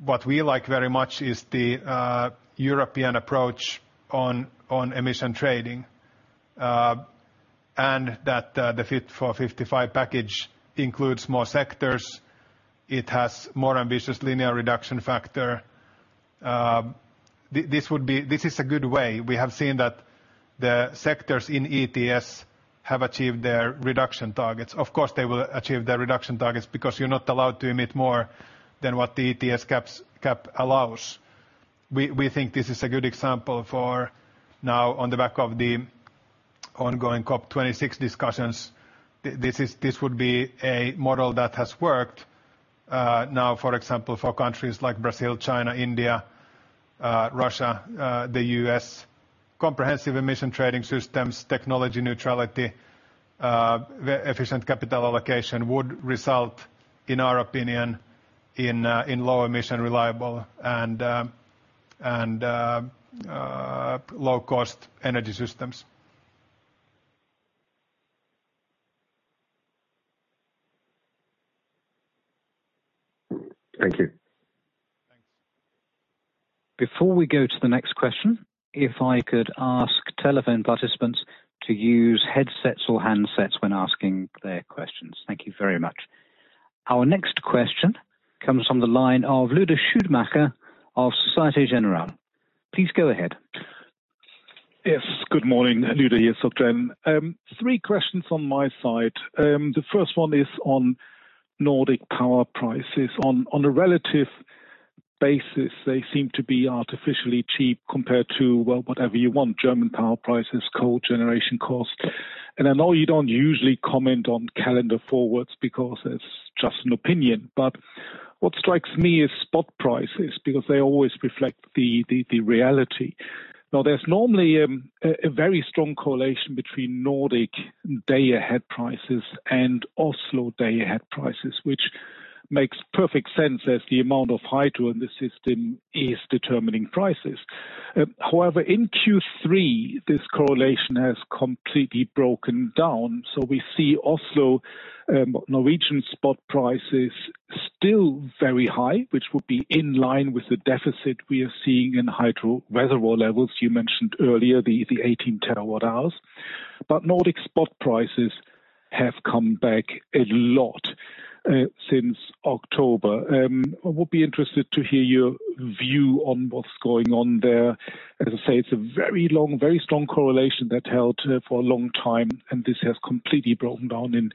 What we like very much is the European approach on emissions trading. And that the Fit for 55 package includes more sectors. It has more ambitious linear reduction factor. This would be. This is a good way. We have seen that the sectors in ETS have achieved their reduction targets. Of course, they will achieve their reduction targets because you're not allowed to emit more than what the ETS caps allows. We think this is a good example for now on the back of the ongoing COP26 discussions. This would be a model that has worked now for example for countries like Brazil, China, India, Russia, the U.S. Comprehensive emission trading systems, technology neutrality, efficient capital allocation would result, in our opinion, in low emission reliable and low-cost energy systems. Thank you. Before we go to the next question, if I could ask telephone participants to use headsets or handsets when asking their questions. Thank you very much. Our next question comes from the line of Lueder Schumacher of Société Générale. Please go ahead. Yes. Good morning, Lueder here. Three questions on my side. The first one is on Nordic power prices. On a relative basis, they seem to be artificially cheap compared to, well, whatever you want, German power prices, coal generation cost. I know you don't usually comment on calendar forwards because it's just an opinion. What strikes me is spot prices because they always reflect the reality. Now, there's normally a very strong correlation between Nordic day ahead prices and Oslo day ahead prices, which makes perfect sense as the amount of hydro in the system is determining prices. However, in Q3, this correlation has completely broken down. We see Oslo, Norwegian spot prices still very high, which would be in line with the deficit we are seeing in hydro reservoir levels. You mentioned earlier the 18 TWh. Nordic spot prices have come back a lot since October. I would be interested to hear your view on what's going on there. As I say, it's a very long, very strong correlation that held for a long time, and this has completely broken down in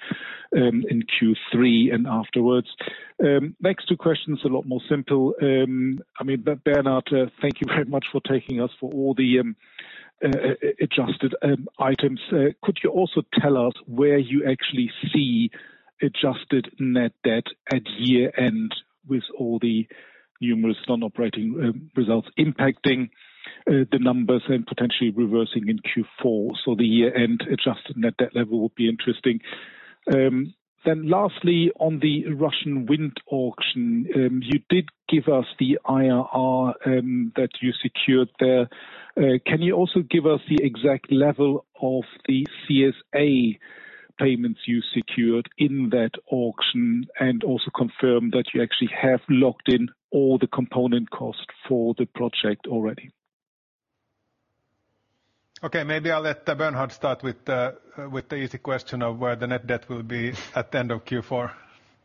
Q3 and afterwards. Next two questions a lot more simple. I mean, Bernhard, thank you very much for taking us for all the adjusted items. Could you also tell us where you actually see adjusted net debt at year-end with all the numerous non-operating results impacting the numbers and potentially reversing in Q4? The year-end adjusted net debt level would be interesting. Lastly, on the Russian wind auction, you did give us the IRR that you secured there. Can you also give us the exact level of the CSA payments you secured in that auction, and also confirm that you actually have locked in all the component costs for the project already? Okay, maybe I'll let Bernhard start with the easy question of where the net debt will be at the end of Q4.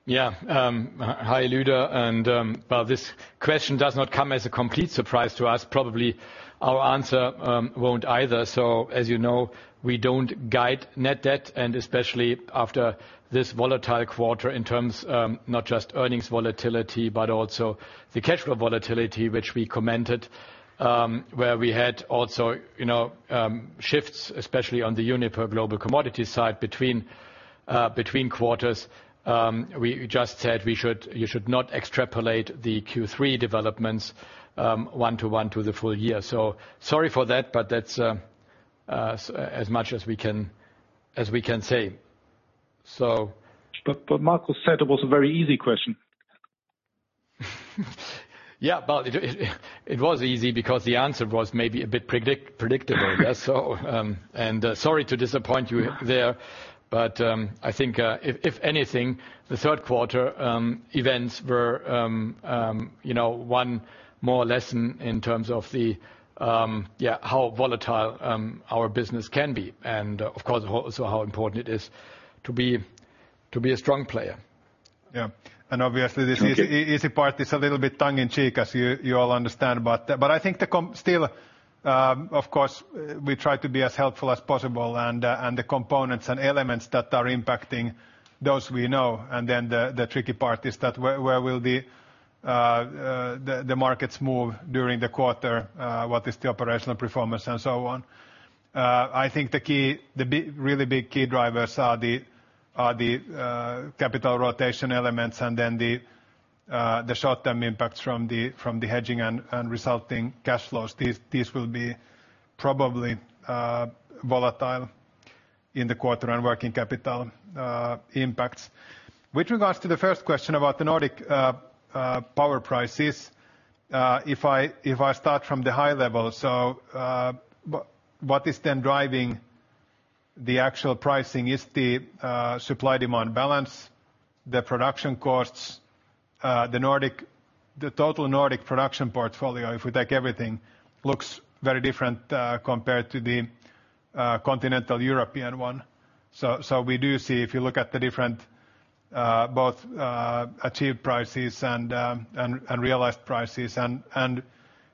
Hi, Lueder. This question does not come as a complete surprise to us. Probably our answer won't either. As you know, we don't guide net debt, and especially after this volatile quarter in terms not just earnings volatility, but also the cash flow volatility, which we commented, where we had also, you know, shifts, especially on the Uniper Global Commodities side between quarters. We just said you should not extrapolate the Q3 developments one-to-one to the full year. Sorry for that, but that's as much as we can say. Markus Rauramo said it was a very easy question. Yeah, it was easy because the answer was maybe a bit predictable. Yeah, sorry to disappoint you there. I think if anything, the third quarter events were, you know, one more lesson in terms of how volatile our business can be, and of course, also how important it is to be a strong player. Yeah, obviously this easy part is a little bit tongue in cheek, as you all understand. I think still, of course we try to be as helpful as possible and the components and elements that are impacting those we know. The tricky part is that where will the markets move during the quarter, what is the operational performance and so on. I think the really big key drivers are the capital rotation elements and the short-term impacts from the hedging and resulting cash flows. These will be probably volatile in the quarter and working capital impacts. With regards to the first question about the Nordic power prices, if I start from the high level. What is then driving the actual pricing is the supply/demand balance, the production costs, the Nordic. The total Nordic production portfolio, if we take everything, looks very different compared to the continental European one. We do see if you look at the different both achieved prices and realized prices and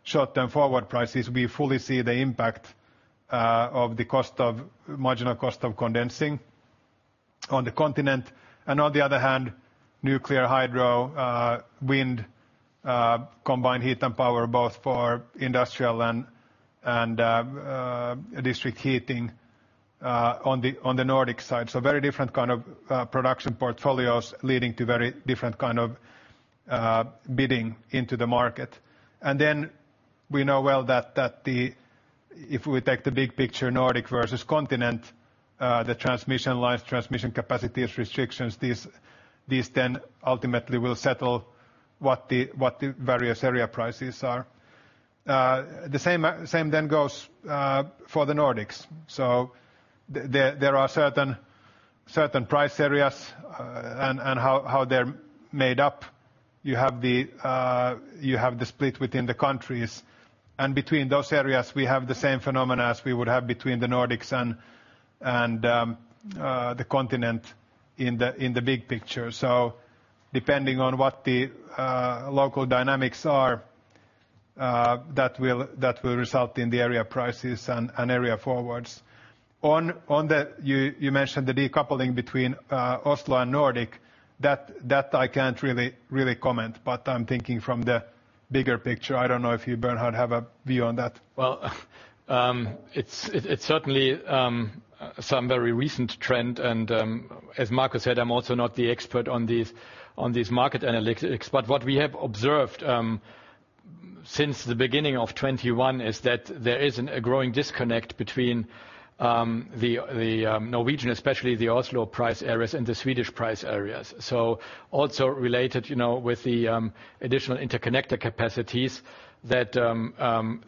short-term forward prices, we fully see the impact of the marginal cost of condensing on the continent. On the other hand, nuclear hydro, wind, combined heat and power, both for industrial and district heating, on the Nordic side. Very different kind of production portfolios leading to very different kind of bidding into the market. We know well that if we take the big picture, Nordic versus continent, the transmission lines, transmission capacities, restrictions, these then ultimately will settle what the various area prices are. The same then goes for the Nordics. There, there are certain price areas, and how they're made up. You have the split within the countries, and between those areas we have the same phenomena as we would have between the Nordics and the continent in the big picture. Depending on what the local dynamics are, that will result in the area prices and area forwards. You mentioned the decoupling between Oslo and Nordic. That I can't really comment, but I'm thinking from the bigger picture. I don't know if you, Bernhard, have a view on that. Well, it's certainly some very recent trend, as Markus said, I'm also not the expert on these market analytics. What we have observed since the beginning of 2021 is that there is a growing disconnect between the Norwegian, especially the Oslo price areas, and the Swedish price areas. Also related, you know, with the additional interconnector capacities that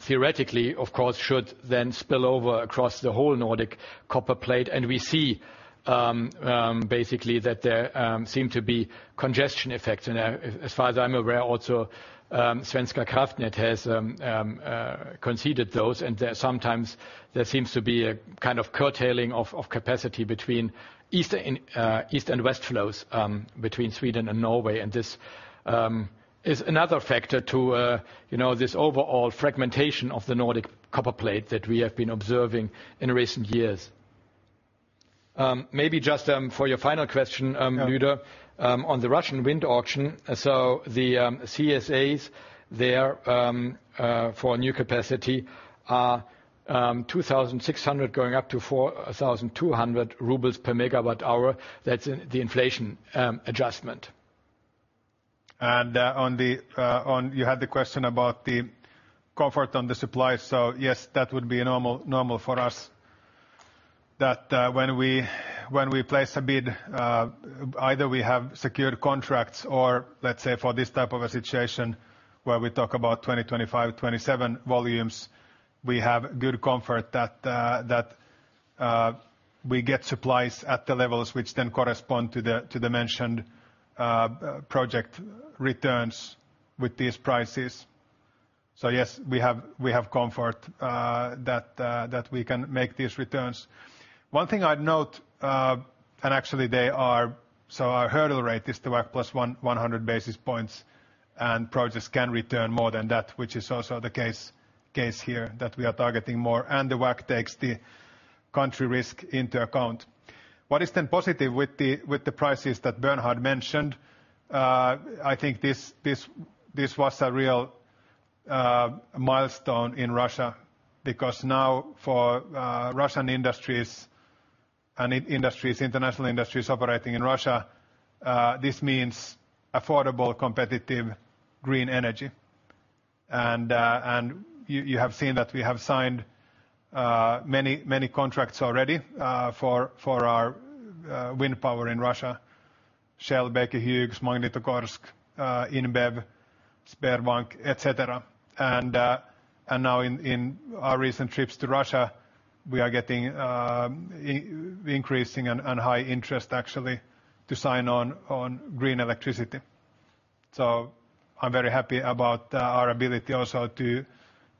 theoretically, of course, should then spill over across the whole Nordic copper plate. We see basically that there seem to be congestion effects. As far as I'm aware, also, Svenska Kraftnät has conceded those, and sometimes there seems to be a kind of curtailing of capacity between east and west flows between Sweden and Norway. This is another factor to, you know, this overall fragmentation of the Nordic copper plate that we have been observing in recent years. Maybe just for your final question Yeah. Lueder, on the Russian wind auction. The CSAs there for new capacity are 2,600-4,200 rubles per MWh. That's in the inflation adjustment. You had the question about the comfort on the supply. Yes, that would be normal for us that when we place a bid, either we have secured contracts or let's say for this type of a situation where we talk about 2025, 2027 volumes, we have good comfort that we get supplies at the levels which then correspond to the mentioned project returns with these prices. Yes, we have comfort that we can make these returns. One thing I'd note, and actually our hurdle rate is the WACC +100 basis points, and projects can return more than that, which is also the case here that we are targeting more. The WACC takes the country risk into account. What is then positive with the prices that Bernhard mentioned? I think this was a real milestone in Russia, because now for Russian industries and international industries operating in Russia, this means affordable, competitive green energy. You have seen that we have signed many contracts already for our wind power in Russia, Shell, AB InBev Efes, Magnitogorsk, InBev, Sberbank, etc.. Now in our recent trips to Russia, we are getting increasing and high interest actually to sign on green electricity. I'm very happy about our ability also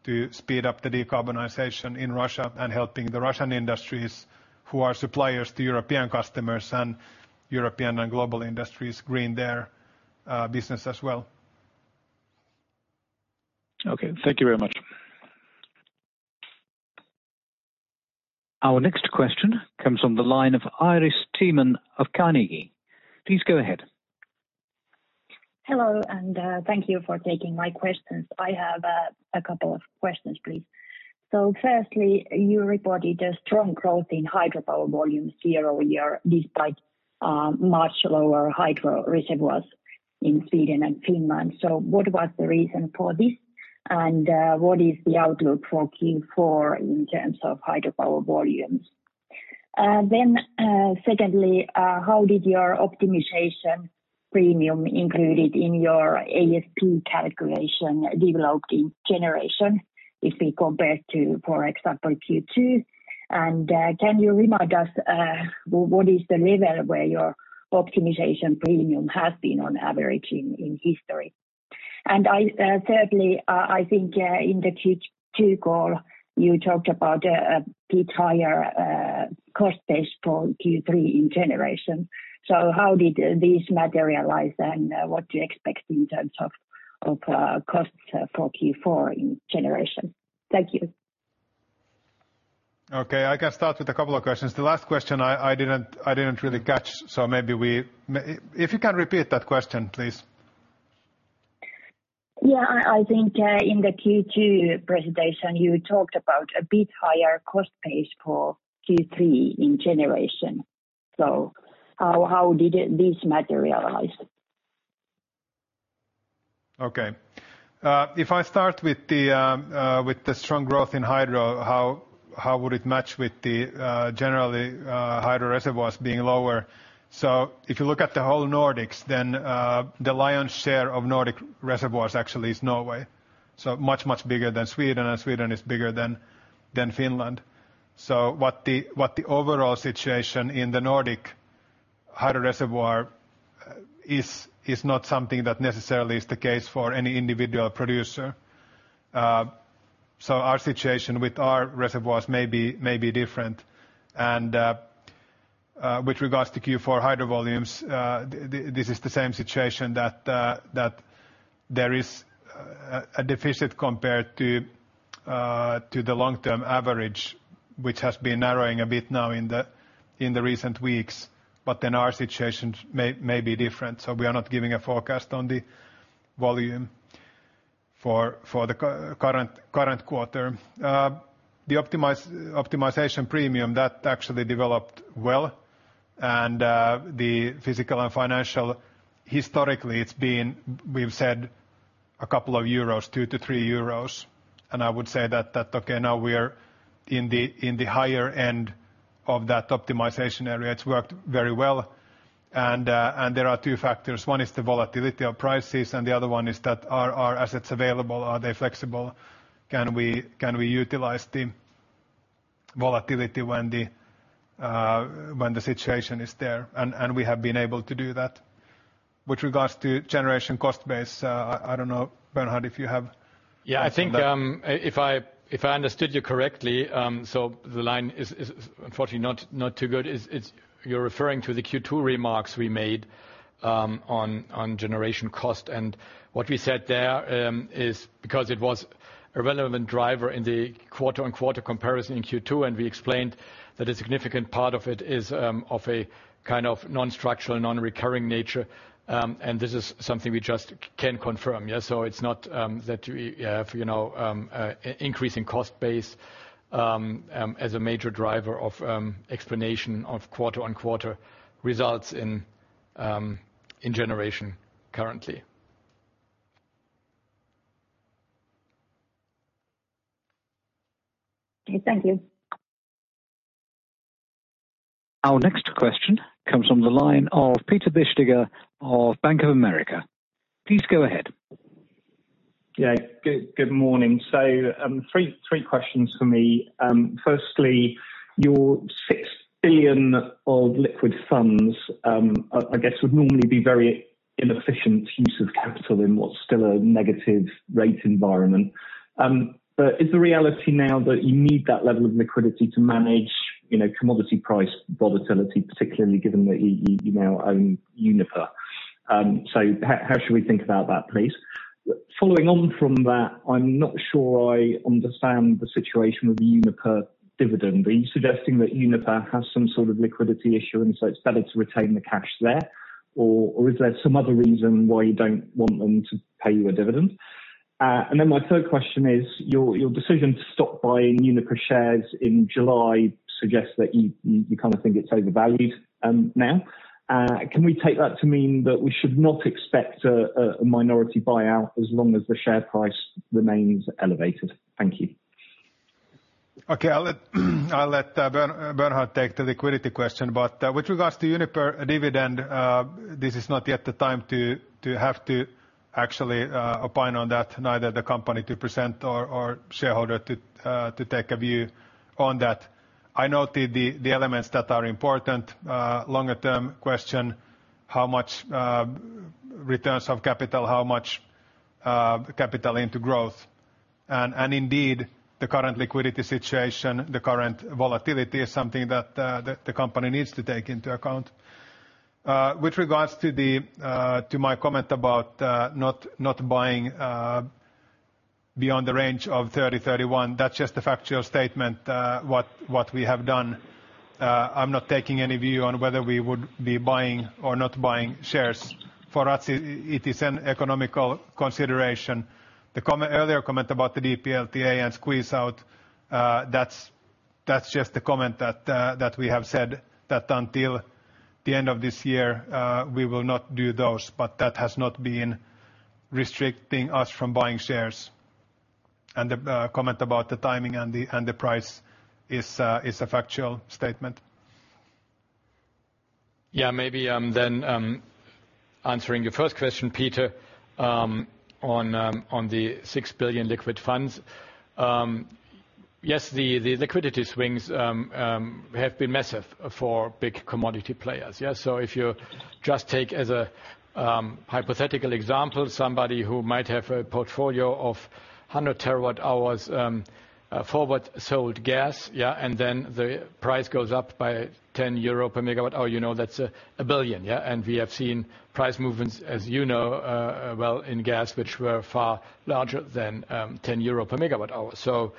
to speed up the decarbonization in Russia and helping the Russian industries who are suppliers to European customers and European and global industries green their business as well. Okay. Thank you very much. Our next question comes from the line of Iiris Theman of Carnegie. Please go ahead. Hello, thank you for taking my questions. I have a couple of questions, please. Firstly, you reported a strong growth in hydropower volumes year over year, despite much lower hydro reservoirs in Sweden and Finland. What was the reason for this, and what is the outlook for Q4 in terms of hydropower volumes? Secondly, how did your optimization premium included in your ASP calculation developed in generation if we compare to, for example, Q2? Can you remind us what is the level where your optimization premium has been on average in history? Thirdly, I think in the Q2 call, you talked about a bit higher cost base for Q3 in generation. How did this materialize, and what do you expect in terms of costs for Q4 in generation? Thank you. Okay. I can start with a couple of questions. The last question I didn't really catch, so if you can repeat that question, please. Yeah. I think in the Q2 presentation, you talked about a bit higher cost base for Q3 in generation. How did this materialize? Okay. If I start with the strong growth in hydro, how would it match with the generally hydro reservoirs being lower? If you look at the whole Nordics, then the lion's share of Nordic reservoirs actually is Norway, so much bigger than Sweden, and Sweden is bigger than Finland. What the overall situation in the Nordic hydro reservoir is not something that necessarily is the case for any individual producer. Our situation with our reservoirs may be different. With regards to Q4 hydro volumes, this is the same situation that there is a deficit compared to the long-term average, which has been narrowing a bit now in the recent weeks. Our situations may be different, so we are not giving a forecast on the volume for the current quarter. The optimization premium that actually developed well and the physical and financial historically it's been, we've said a couple of 2-3 euros. I would say that okay, now we're in the higher end of that optimization area. It's worked very well. There are two factors. One is the volatility of prices, and the other one is, are our assets available? Are they flexible? Can we utilize the volatility when the situation is there? We have been able to do that. With regards to generation cost base, I don't know, Bernhard, if you have- Yeah. Some of that. I think, if I understood you correctly, the line is unfortunately not too good. It's you're referring to the Q2 remarks we made on generation cost. What we said there is because it was a relevant driver in the QoQ comparison in Q2, and we explained that a significant part of it is of a kind of non-structural, non-recurring nature, and this is something we just can confirm. Yeah. It's not that we have you know increasing cost base as a major driver of explanation of QoQ results in generation currently. Okay. Thank you. Our next question comes from the line of Peter Bisztyga of Bank of America. Please go ahead. Yeah. Good morning. Three questions from me. Firstly, your 6 billion of liquid funds, I guess would normally be very inefficient use of capital in what's still a negative rate environment. Is the reality now that you need that level of liquidity to manage, you know, commodity price volatility, particularly given that you now own Uniper? How should we think about that, please? Following on from that, I'm not sure I understand the situation with the Uniper dividend. Are you suggesting that Uniper has some sort of liquidity issue, and so it's better to retain the cash there? Or is there some other reason why you don't want them to pay you a dividend? My third question is, your decision to stop buying Uniper shares in July suggests that you kind of think it's overvalued now. Can we take that to mean that we should not expect a minority buyout as long as the share price remains elevated? Thank you. Okay. I'll let Bernhard take the liquidity question. With regards to Uniper dividend, this is not yet the time to have to actually opine on that, neither the company to present or shareholder to take a view on that. I noted the elements that are important. Longer term question, how much returns of capital, how much capital into growth? Indeed, the current liquidity situation, the current volatility is something that the company needs to take into account. With regards to my comment about not buying beyond the range of 30 - 31, that's just a factual statement, what we have done. I'm not taking any view on whether we would be buying or not buying shares. For us it is an economic consideration. The earlier comment about the DPLTA and squeeze out, that's just a comment that we have said, that until the end of this year, we will not do those. That has not been restricting us from buying shares. The comment about the timing and the price is a factual statement. Yeah, maybe then answering your first question, Peter, on the 6 billion liquid funds. Yes, the liquidity swings have been massive for big commodity players. Yeah, so if you just take as a hypothetical example, somebody who might have a portfolio of 100 TWh forward sold gas, yeah, and then the price goes up by 10 euro per MWh, you know, that's 1 billion, yeah. We have seen price movements as you know, well in gas, which were far larger than 10 euro per MWh.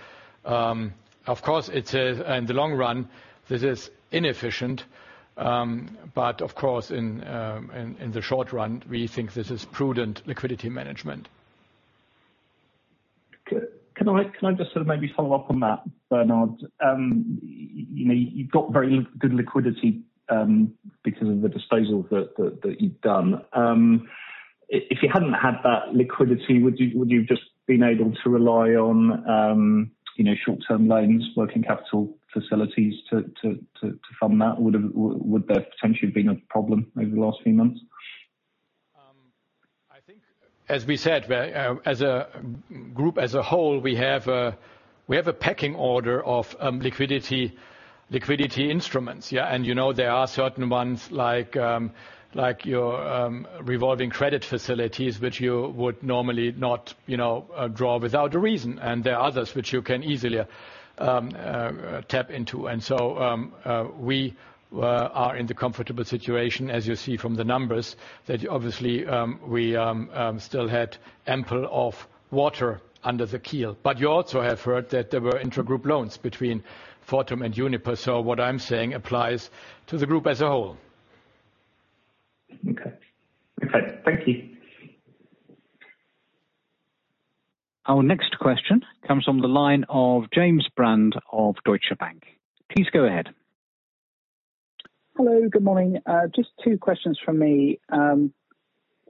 Of course it's in the long run this is inefficient. But of course in the short run, we think this is prudent liquidity management. Can I just sort of maybe follow up on that, Bernhard? You know, you've got very good liquidity, because of the disposals that you've done. If you hadn't had that liquidity, would you have just been able to rely on, you know, short-term loans, working capital facilities to fund that? Would there potentially have been a problem over the last few months? I think as we said, as a group as a whole, we have a pecking order of liquidity instruments, yeah. You know, there are certain ones like your revolving credit facilities, which you would normally not, you know, draw without a reason. There are others which you can easily tap into. We are in the comfortable situation as you see from the numbers that obviously we still had ample water under the keel. You also have heard that there were intragroup loans between Fortum and Uniper. What I'm saying applies to the group as a whole. Okay. Okay. Thank you. Our next question comes from the line of James Brand of Deutsche Bank. Please go ahead. Hello, good morning. Just two questions from me.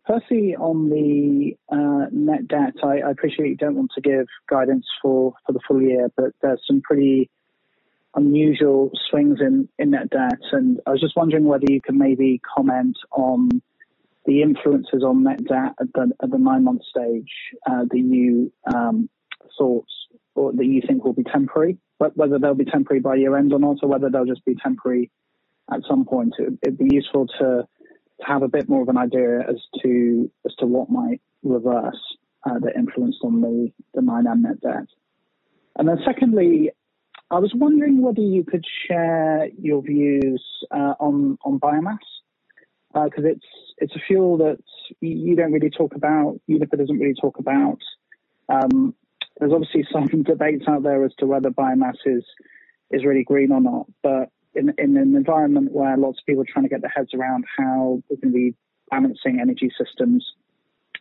Firstly on the net debt. I appreciate you don't want to give guidance for the full year, but there's some pretty unusual swings in net debt, and I was just wondering whether you can maybe comment on the influences on net debt at the nine-month stage, the new sorts or that you think will be temporary, but whether they'll be temporary by year-end or not, or whether they'll just be temporary at some point. It'd be useful to have a bit more of an idea as to what might reverse the influence on the nine-month net debt. Secondly, I was wondering whether you could share your views on biomass. Because it's a fuel that you don't really talk about, Uniper doesn't really talk about. There's obviously some debates out there as to whether biomass is really green or not. In an environment where lots of people are trying to get their heads around how we're gonna be balancing energy systems,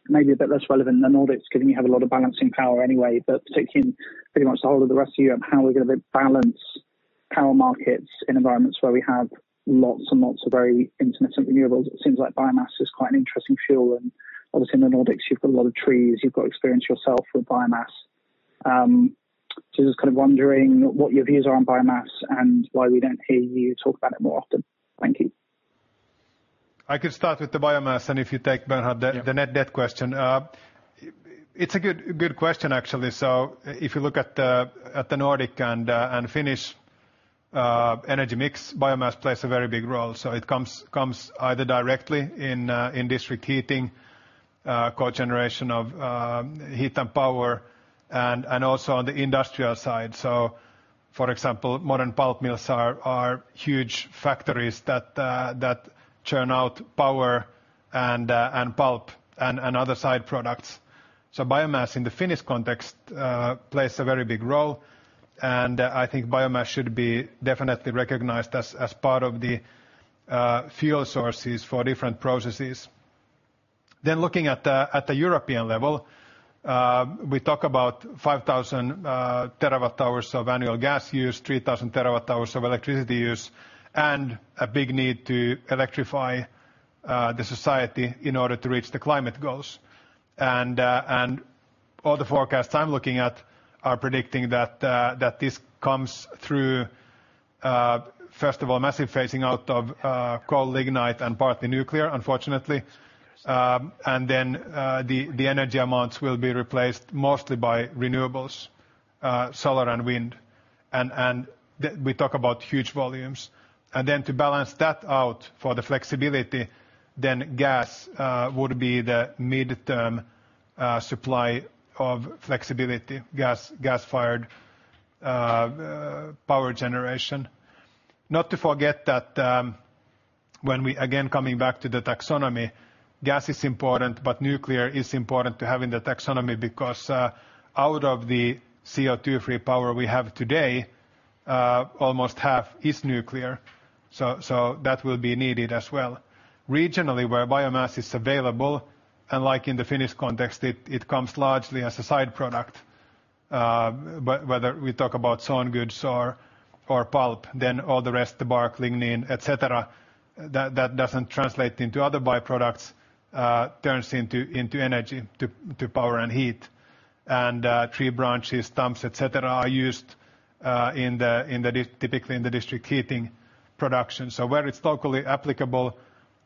maybe a bit less relevant than all that's giving you have a lot of balancing power anyway. Taking pretty much the whole of the rest of Europe, how we're gonna balance power markets in environments where we have lots and lots of very intermittent renewables, it seems like biomass is quite an interesting fuel. Obviously in the Nordics, you've got a lot of trees, you've got experience yourself with biomass. Just kind of wondering what your views are on biomass and why we don't hear you talk about it more often. Thank you. I can start with the biomass and if you take Bernhard, the net debt question. It's a good question actually. If you look at the Nordic and Finnish energy mix, biomass plays a very big role. It comes either directly in district heating, cogeneration of heat and power and also on the industrial side. For example, modern pulp mills are huge factories that churn out power and pulp and other side products. Biomass in the Finnish context plays a very big role. I think biomass should be definitely recognized as part of the fuel sources for different processes. Looking at the European level, we talk about 5,000 TWh of annual gas use, 3,000 TWh of electricity use, and a big need to electrify the society in order to reach the climate goals. All the forecasts I'm looking at are predicting that this comes through, first of all, massive phasing out of coal, lignite and partly nuclear, unfortunately. The energy amounts will be replaced mostly by renewables, solar and wind. We talk about huge volumes. To balance that out for the flexibility, gas would be the midterm supply of flexibility, gas-fired power generation. Not to forget that, when we again coming back to the taxonomy, gas is important but nuclear is important to have in the taxonomy because out of the CO2 free power we have today, almost half is nuclear. So that will be needed as well. Regionally, where biomass is available, unlike in the Finnish context, it comes largely as a side product. But whether we talk about sawn goods or pulp, then all the rest, the bark, lignin, etc., that doesn't translate into other byproducts turns into energy to power and heat. Tree branches, stumps, etc., are used typically in the district heating production. Where it's locally applicable,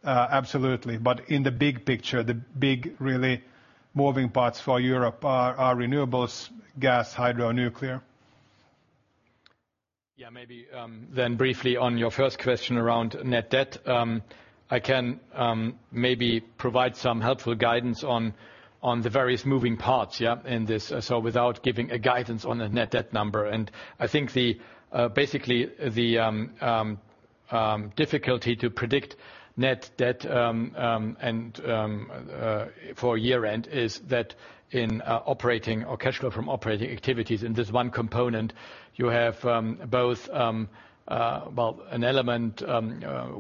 absolutely. In the big picture, the big really moving parts for Europe are renewables, gas, hydro, nuclear. Yeah, maybe briefly on your first question around net debt. I can maybe provide some helpful guidance on the various moving parts, yeah, in this. Without giving a guidance on the net debt number. I think basically the difficulty to predict net debt and for year-end is that in operating cash flow from operating activities, in this one component you have both well an element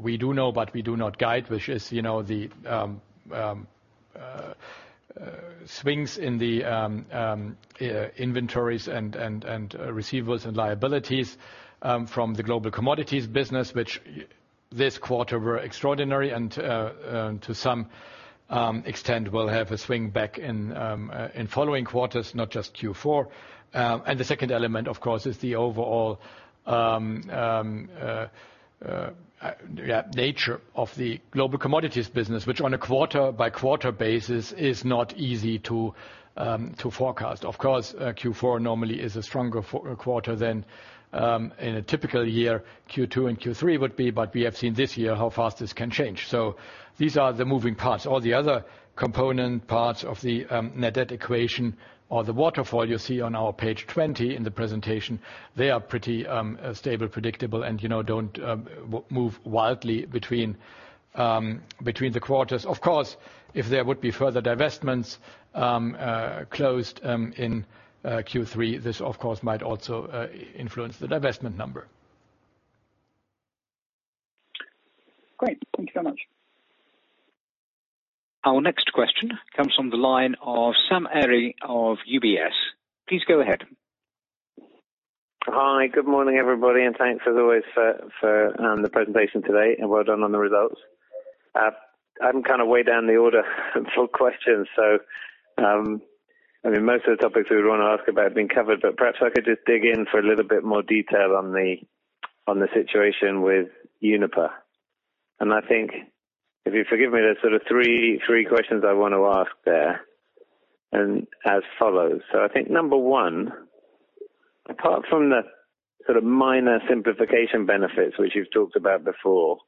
we do know, but we do not guide, which is, you know, the swings in the inventories and receivables and liabilities from the Global Commodities business which this quarter were extraordinary and to some extent will have a swing back in following quarters, not just Q4. The second element, of course, is the overall nature of the global commodities business, which on a quarter by quarter basis is not easy to forecast. Of course, Q4 normally is a stronger quarter than, in a typical year, Q2 and Q3 would be, but we have seen this year how fast this can change. These are the moving parts. All the other component parts of the net debt equation or the waterfall you see on our page 20 in the presentation, they are pretty stable, predictable and, you know, don't move wildly between the quarters. Of course, if there would be further divestments closed in Q3, this of course might also influence the divestment number. Great. Thank you so much. Our next question comes from the line of Sam Arie of UBS. Please go ahead. Hi. Good morning, everybody, and thanks as always for the presentation today, and well done on the results. I'm kinda way down the order for questions, so I mean, most of the topics we would wanna ask about have been covered, but perhaps if I could just dig in for a little bit more detail on the situation with Uniper. I think if you forgive me, there's sort of three questions I want to ask there and as follows. I think number one, apart from the sort of minor simplification benefits which you've talked about before,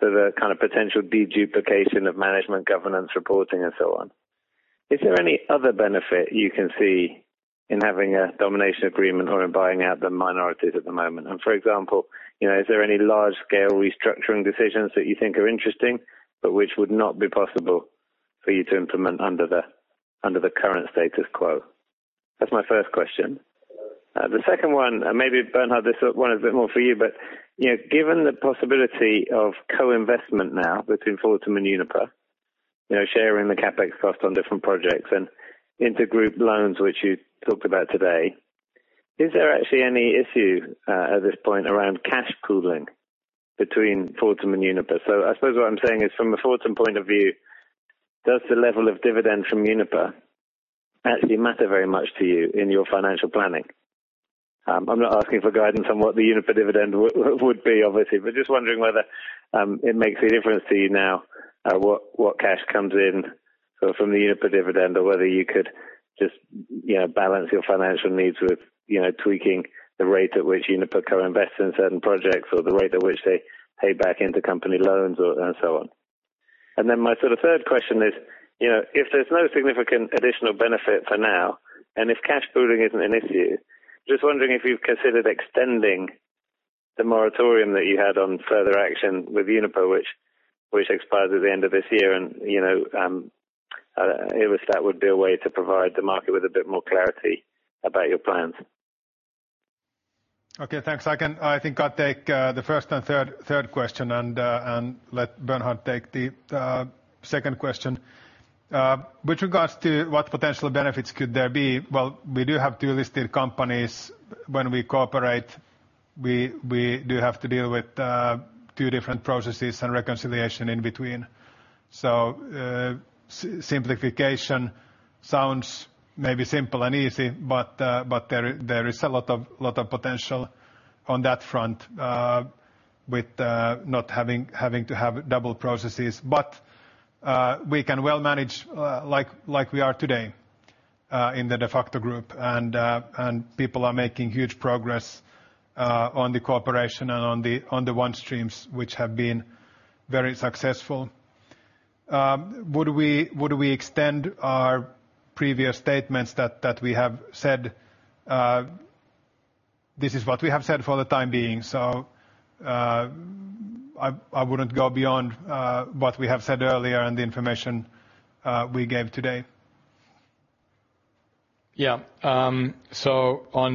so the kind of potential de-duplication of management, governance, reporting and so on, is there any other benefit you can see in having a domination agreement or in buying out the minorities at the moment? For example, you know, is there any large scale restructuring decisions that you think are interesting, but which would not be possible for you to implement under the current status quo? That's my first question. The second one, and maybe Bernhard, this one is a bit more for you, but, you know, given the possibility of co-investment now between Fortum and Uniper, you know, sharing the CapEx cost on different projects and inter-group loans which you talked about today, is there actually any issue at this point around cash pooling between Fortum and Uniper? I suppose what I'm saying is, from a Fortum point of view, does the level of dividend from Uniper actually matter very much to you in your financial planning? I'm not asking for guidance on what the Uniper dividend would be, obviously, but just wondering whether it makes a difference to you now, what cash comes in, so from the Uniper dividend or whether you could just, you know, balance your financial needs with, you know, tweaking the rate at which Uniper co-invests in certain projects or the rate at which they pay back intercompany loans or and so on. Then my sort of third question is, you know, if there's no significant additional benefit for now, and if cash pooling isn't an issue, just wondering if you've considered extending the moratorium that you had on further action with Uniper, which expires at the end of this year. You know, if that would be a way to provide the market with a bit more clarity about your plans. Okay, thanks. I think I'll take the first and third question and let Bernhard take the second question. With regards to what potential benefits could there be, well, we do have two listed companies. When we cooperate, we do have to deal with two different processes and reconciliation in between. Simplification sounds maybe simple and easy, but there is a lot of potential on that front, with not having to have double processes. We can well manage like we are today in the de facto group. People are making huge progress on the cooperation and on the one streams which have been very successful. Would we extend our previous statements that we have said? This is what we have said for the time being. I wouldn't go beyond what we have said earlier and the information we gave today. Yeah. On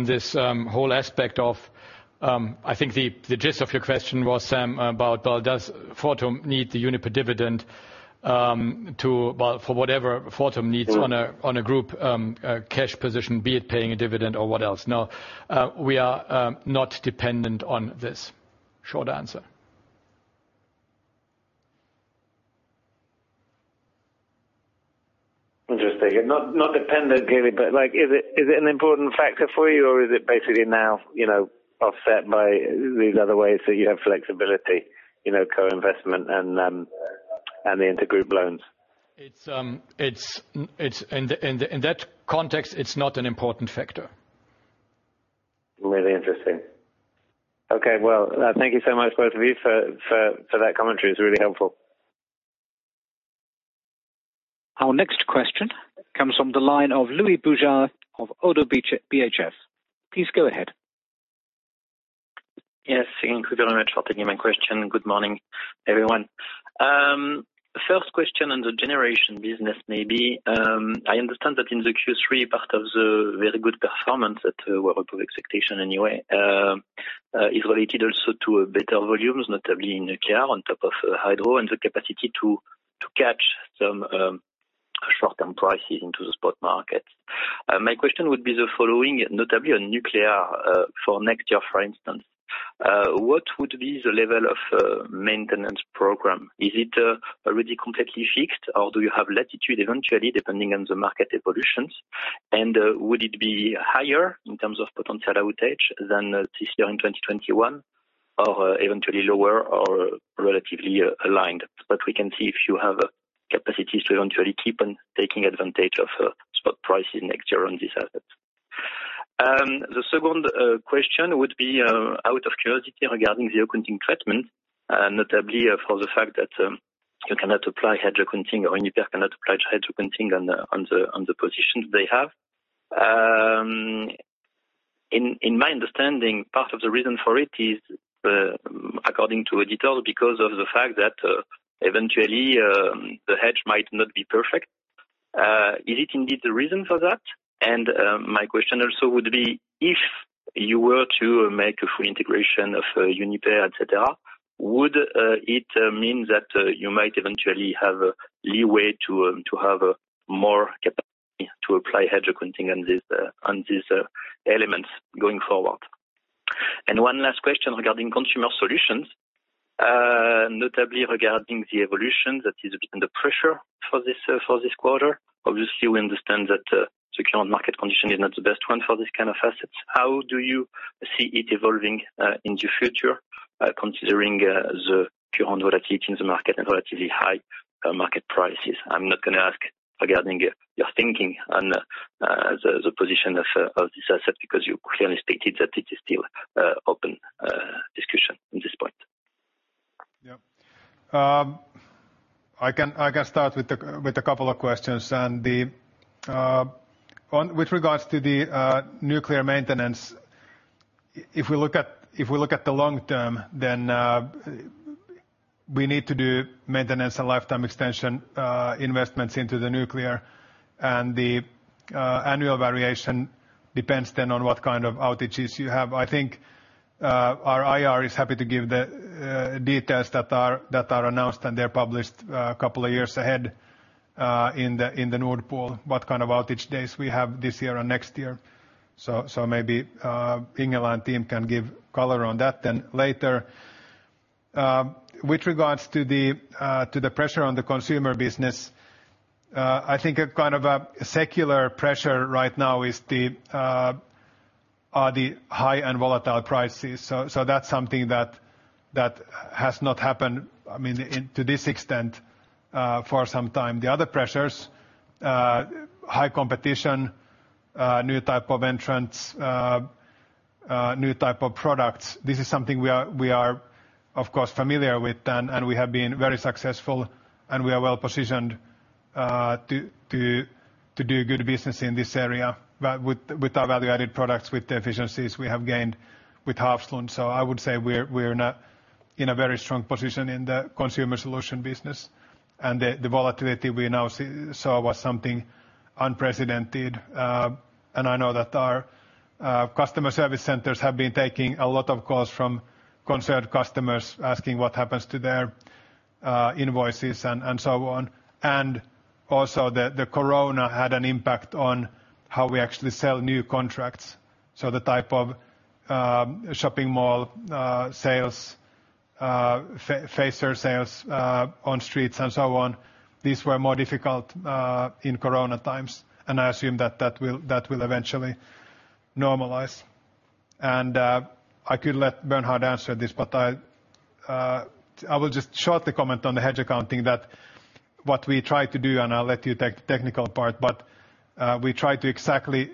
this whole aspect of, I think the gist of your question was, Sam, about, well, does Fortum need the Uniper dividend, well, for whatever Fortum needs on a group cash position, be it paying a dividend or what else? No, we are not dependent on this. Short answer. Interesting. Not dependent, really, but, like, is it an important factor for you or is it basically now, you know, offset by these other ways that you have flexibility, you know, co-investment and the inter-group loans? It's in that context, it's not an important factor. Really interesting. Okay, well, thank you so much both of you for that commentary. It's really helpful. Our next question comes from the line of Louis Boujard of Oddo BHF. Please go ahead. Yes, thank you very much for taking my question. Good morning, everyone. First question on the generation business maybe. I understand that in the Q3 part of the very good performance that we're above expectations anyway is related also to better volumes, notably in nuclear on top of hydro and the capacity to catch some short-term prices into the spot markets. My question would be the following, notably on nuclear, for next year, for instance. What would be the level of maintenance program? Is it already completely fixed or do you have latitude eventually depending on the market evolutions? Would it be higher in terms of potential outage than this year in 2021 or eventually lower or relatively aligned? We can see if you have capacities to eventually keep on taking advantage of spot pricing next year on these assets. The second question would be out of curiosity regarding the accounting treatment, notably for the fact that you cannot apply hedge accounting or Uniper cannot apply hedge accounting on the positions they have. In my understanding, part of the reason for it is according to a detail because of the fact that eventually the hedge might not be perfect. Is it indeed the reason for that? My question also would be if you were to make a full integration of Uniper, etc., would it mean that you might eventually have a leeway to have a more capacity to apply hedge accounting on this on these elements going forward? One last question regarding Consumer Solutions, notably regarding the evolution that is under pressure for this quarter. Obviously, we understand that the current market condition is not the best one for this kind of assets. How do you see it evolving in the future, considering the current volatility in the market and relatively high market prices? I'm not gonna ask regarding your thinking on the position of this asset because you clearly stated that it is still open discussion at this point. Yeah. I can start with a couple of questions. With regards to the nuclear maintenance, if we look at the long term, we need to do maintenance and lifetime extension investments into the nuclear. The annual variation depends on what kind of outages you have. I think our IR is happy to give the details that are announced, and they're published a couple of years ahead in the Nord Pool, what kind of outage days we have this year and next year. Maybe Ingela and team can give color on that later. With regards to the pressure on the Consumer Solutions business, I think a kind of a secular pressure right now is the high-end volatile prices. So that's something that has not happened, I mean, to this extent, for some time. The other pressures, high competition, new type of entrants, new type of products. This is something we are of course familiar with, and we have been very successful and we are well-positioned to do good business in this area with our value-added products, with the efficiencies we have gained with Hafslund. So I would say we're in a very strong position in the Consumer Solutions business. The volatility we now saw was something unprecedented. I know that our customer service centers have been taking a lot of calls from concerned customers asking what happens to their invoices and so on. Also the corona had an impact on how we actually sell new contracts. The type of shopping mall sales, face-to-face sales on streets and so on, these were more difficult in corona times, and I assume that will eventually normalize. I could let Bernhard answer this, but I will just shortly comment on the hedge accounting, what we try to do, and I'll let you take the technical part, but we try to exactly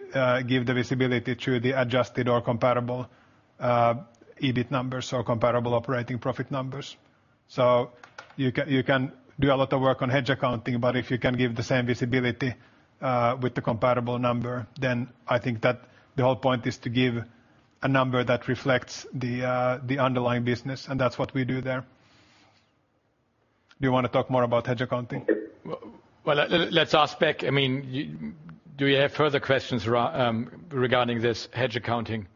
give the visibility to the adjusted or comparable EBIT numbers or comparable operating profit numbers. You can do a lot of work on hedge accounting, but if you can give the same visibility with the comparable number, then I think that the whole point is to give a number that reflects the underlying business, and that's what we do there. Do you want to talk more about hedge accounting? Well, let's ask back. I mean, you, do you have further questions regarding this hedge accounting,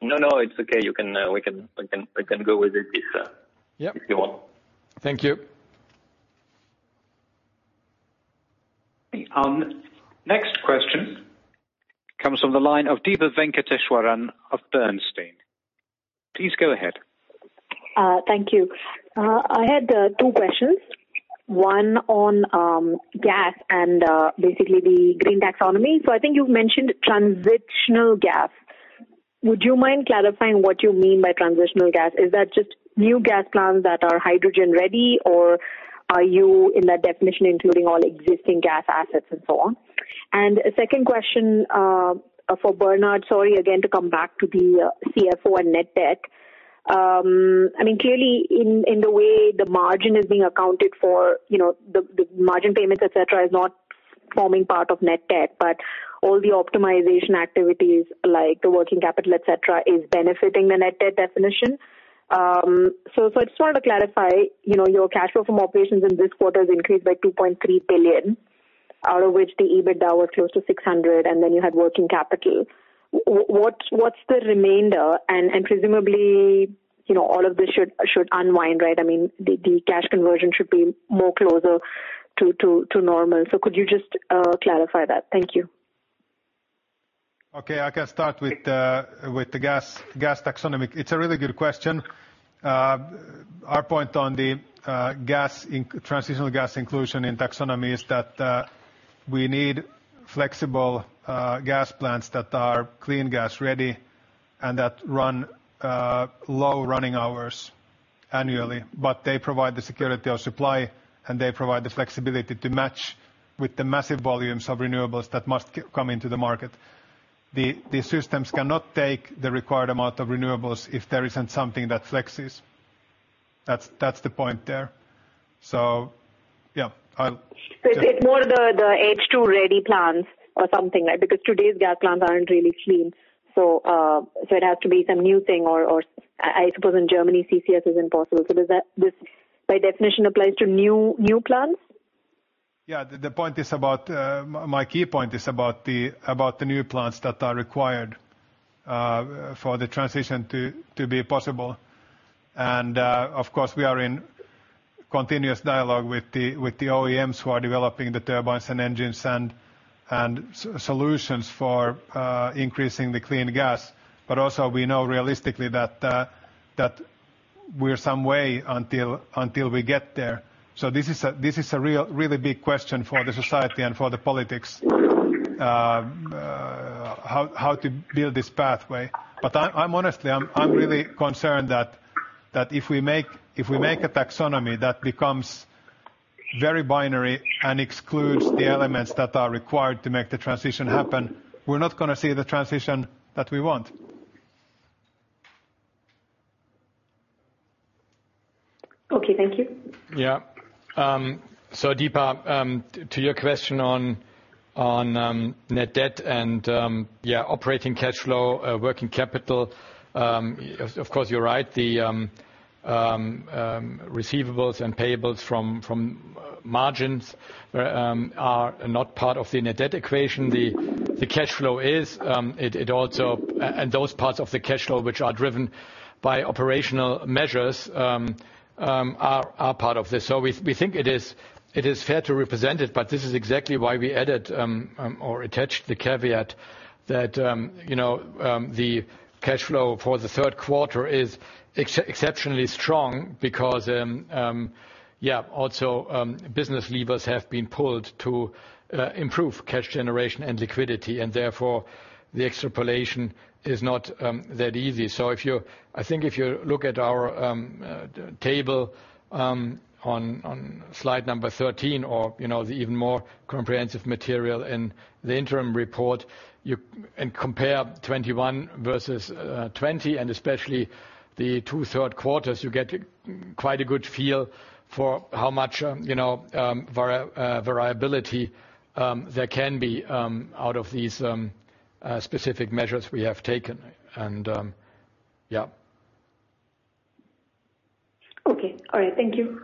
or is it answered? No, it's okay. We can go with it if Yeah. if you want. Thank you. Next question comes from the line of Deepa Venkateswaran of Bernstein. Please go ahead. Thank you. I had two questions, one on gas and basically the green taxonomy. I think you've mentioned transitional gas. Would you mind clarifying what you mean by transitional gas? Is that just new gas plants that are hydrogen-ready, or are you in that definition including all existing gas assets and so on? And a second question for Bernhard. Sorry, again, to come back to the CFO and net debt. I mean, clearly in the way the margin is being accounted for, you know, the margin payments, etc., is not forming part of net debt, but all the optimization activities like the working capital, etc., is benefiting the net debt definition. I just wanted to clarify, you know, your cash flow from operations in this quarter has increased by 2.3 billion, out of which the Adjusted EBITDA was close to 600 million, and then you had working capital. What, what's the remainder? Presumably, you know, all of this should unwind, right? I mean, the cash conversion should be more closer to normal. Could you just clarify that? Thank you. Okay, I can start with the gas taxonomy. It's a really good question. Our point on the transitional gas inclusion in taxonomy is that we need flexible gas plants that are clean-gas ready and that run low running hours annually. They provide the security of supply, and they provide the flexibility to match with the massive volumes of renewables that must come into the market. The systems cannot take the required amount of renewables if there isn't something that flexes. That's the point there. Yeah. I'll- It's more the H2-ready plants or something, right? Because today's gas plants aren't really clean. It has to be some new thing or I suppose in Germany, CCS is impossible. Does that, this by definition applies to new plants? Yeah. The point is about my key point is about the new plants that are required for the transition to be possible. Of course, we are in continuous dialogue with the OEMs who are developing the turbines and engines and solutions for increasing the clean gas. Also we know realistically that we're some way until we get there. This is a really big question for the society and for the politics, how to build this pathway. I'm honestly really concerned that if we make a taxonomy that becomes very binary and excludes the elements that are required to make the transition happen, we're not gonna see the transition that we want. Okay, thank you. Deepa, to your question on net debt and operating cash flow, working capital, of course you're right. The receivables and payables from margins are not part of the net debt equation. The cash flow is. Those parts of the cash flow which are driven by operational measures are part of this. We think it is fair to represent it, but this is exactly why we added or attached the caveat that, you know, the cash flow for the third quarter is exceptionally strong because, also, business levers have been pulled to improve cash generation and liquidity, and therefore the extrapolation is not that easy. I think if you look at our table on slide number 13 or, you know, the even more comprehensive material in the interim report, you and compare 21 versus 20 and especially the 2/3 quarters, you get quite a good feel for how much, you know, variability there can be out of these specific measures we have taken. Yeah. Okay. All right, thank you.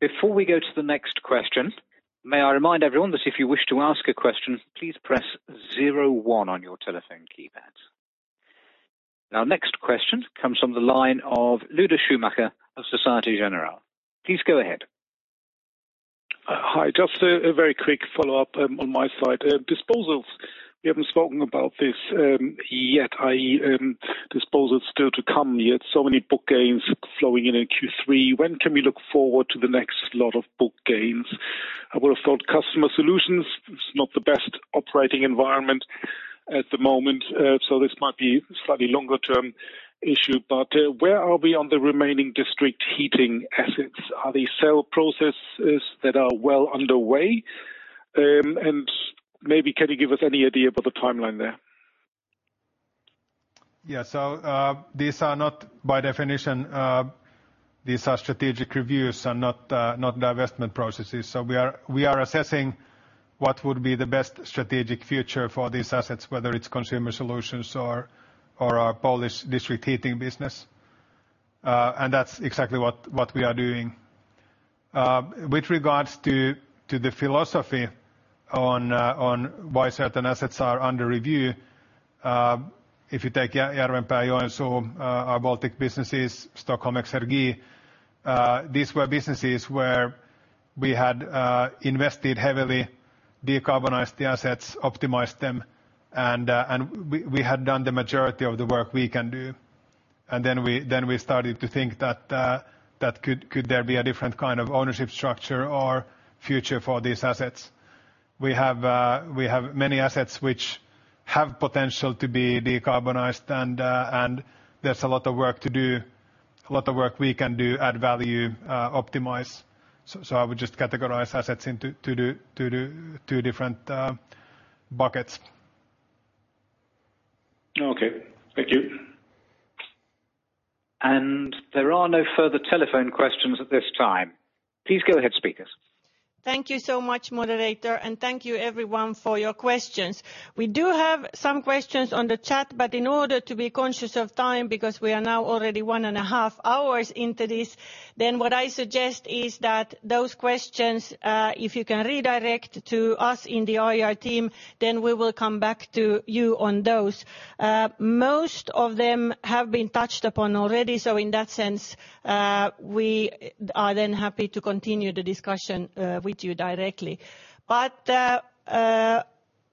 Before we go to the next question, may I remind everyone that if you wish to ask a question, please press zero one on your telephone keypad. Our next question comes from the line of Lueder Schumacher of Société Générale. Please go ahead. Hi. Just a very quick follow-up on my side. Disposals, we haven't spoken about this yet, i.e., disposals still to come yet. Many book gains flowing in Q3. When can we look forward to the next lot of book gains? I would have thought Consumer Solutions is not the best operating environment at the moment, so this might be a slightly longer-term issue. Where are we on the remaining district heating assets? Are the sale processes that are well underway? And maybe can you give us any idea about the timeline there? Yeah. These are strategic reviews and not divestment processes. We are assessing what would be the best strategic future for these assets, whether it's Consumer Solutions or our Polish district heating business. That's exactly what we are doing. With regards to the philosophy on why certain assets are under review, if you take Järvenpää, Joensuu, our Baltic businesses, Stockholm Exergi, these were businesses where we had invested heavily, decarbonized the assets, optimized them, and we had done the majority of the work we can do. Then we started to think that could there be a different kind of ownership structure or future for these assets? We have many assets which have potential to be decarbonized, and there's a lot of work to do, a lot of work we can do, add value, optimize. I would just categorize assets into two different buckets. Okay. Thank you. There are no further telephone questions at this time. Please go ahead, speakers. Thank you so much, moderator, and thank you everyone for your questions. We do have some questions on the chat, but in order to be conscious of time, because we are now already one and a half hours into this, then what I suggest is that those questions, if you can redirect to us in the IR team, then we will come back to you on those. Most of them have been touched upon already, so in that sense, we are then happy to continue the discussion, with you directly.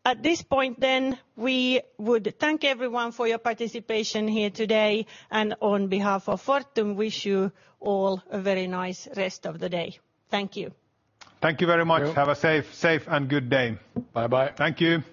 At this point then, we would thank everyone for your participation here today, and on behalf of Fortum, wish you all a very nice rest of the day. Thank you. Thank you very much. Have a safe and good day. Bye-bye. Thank you.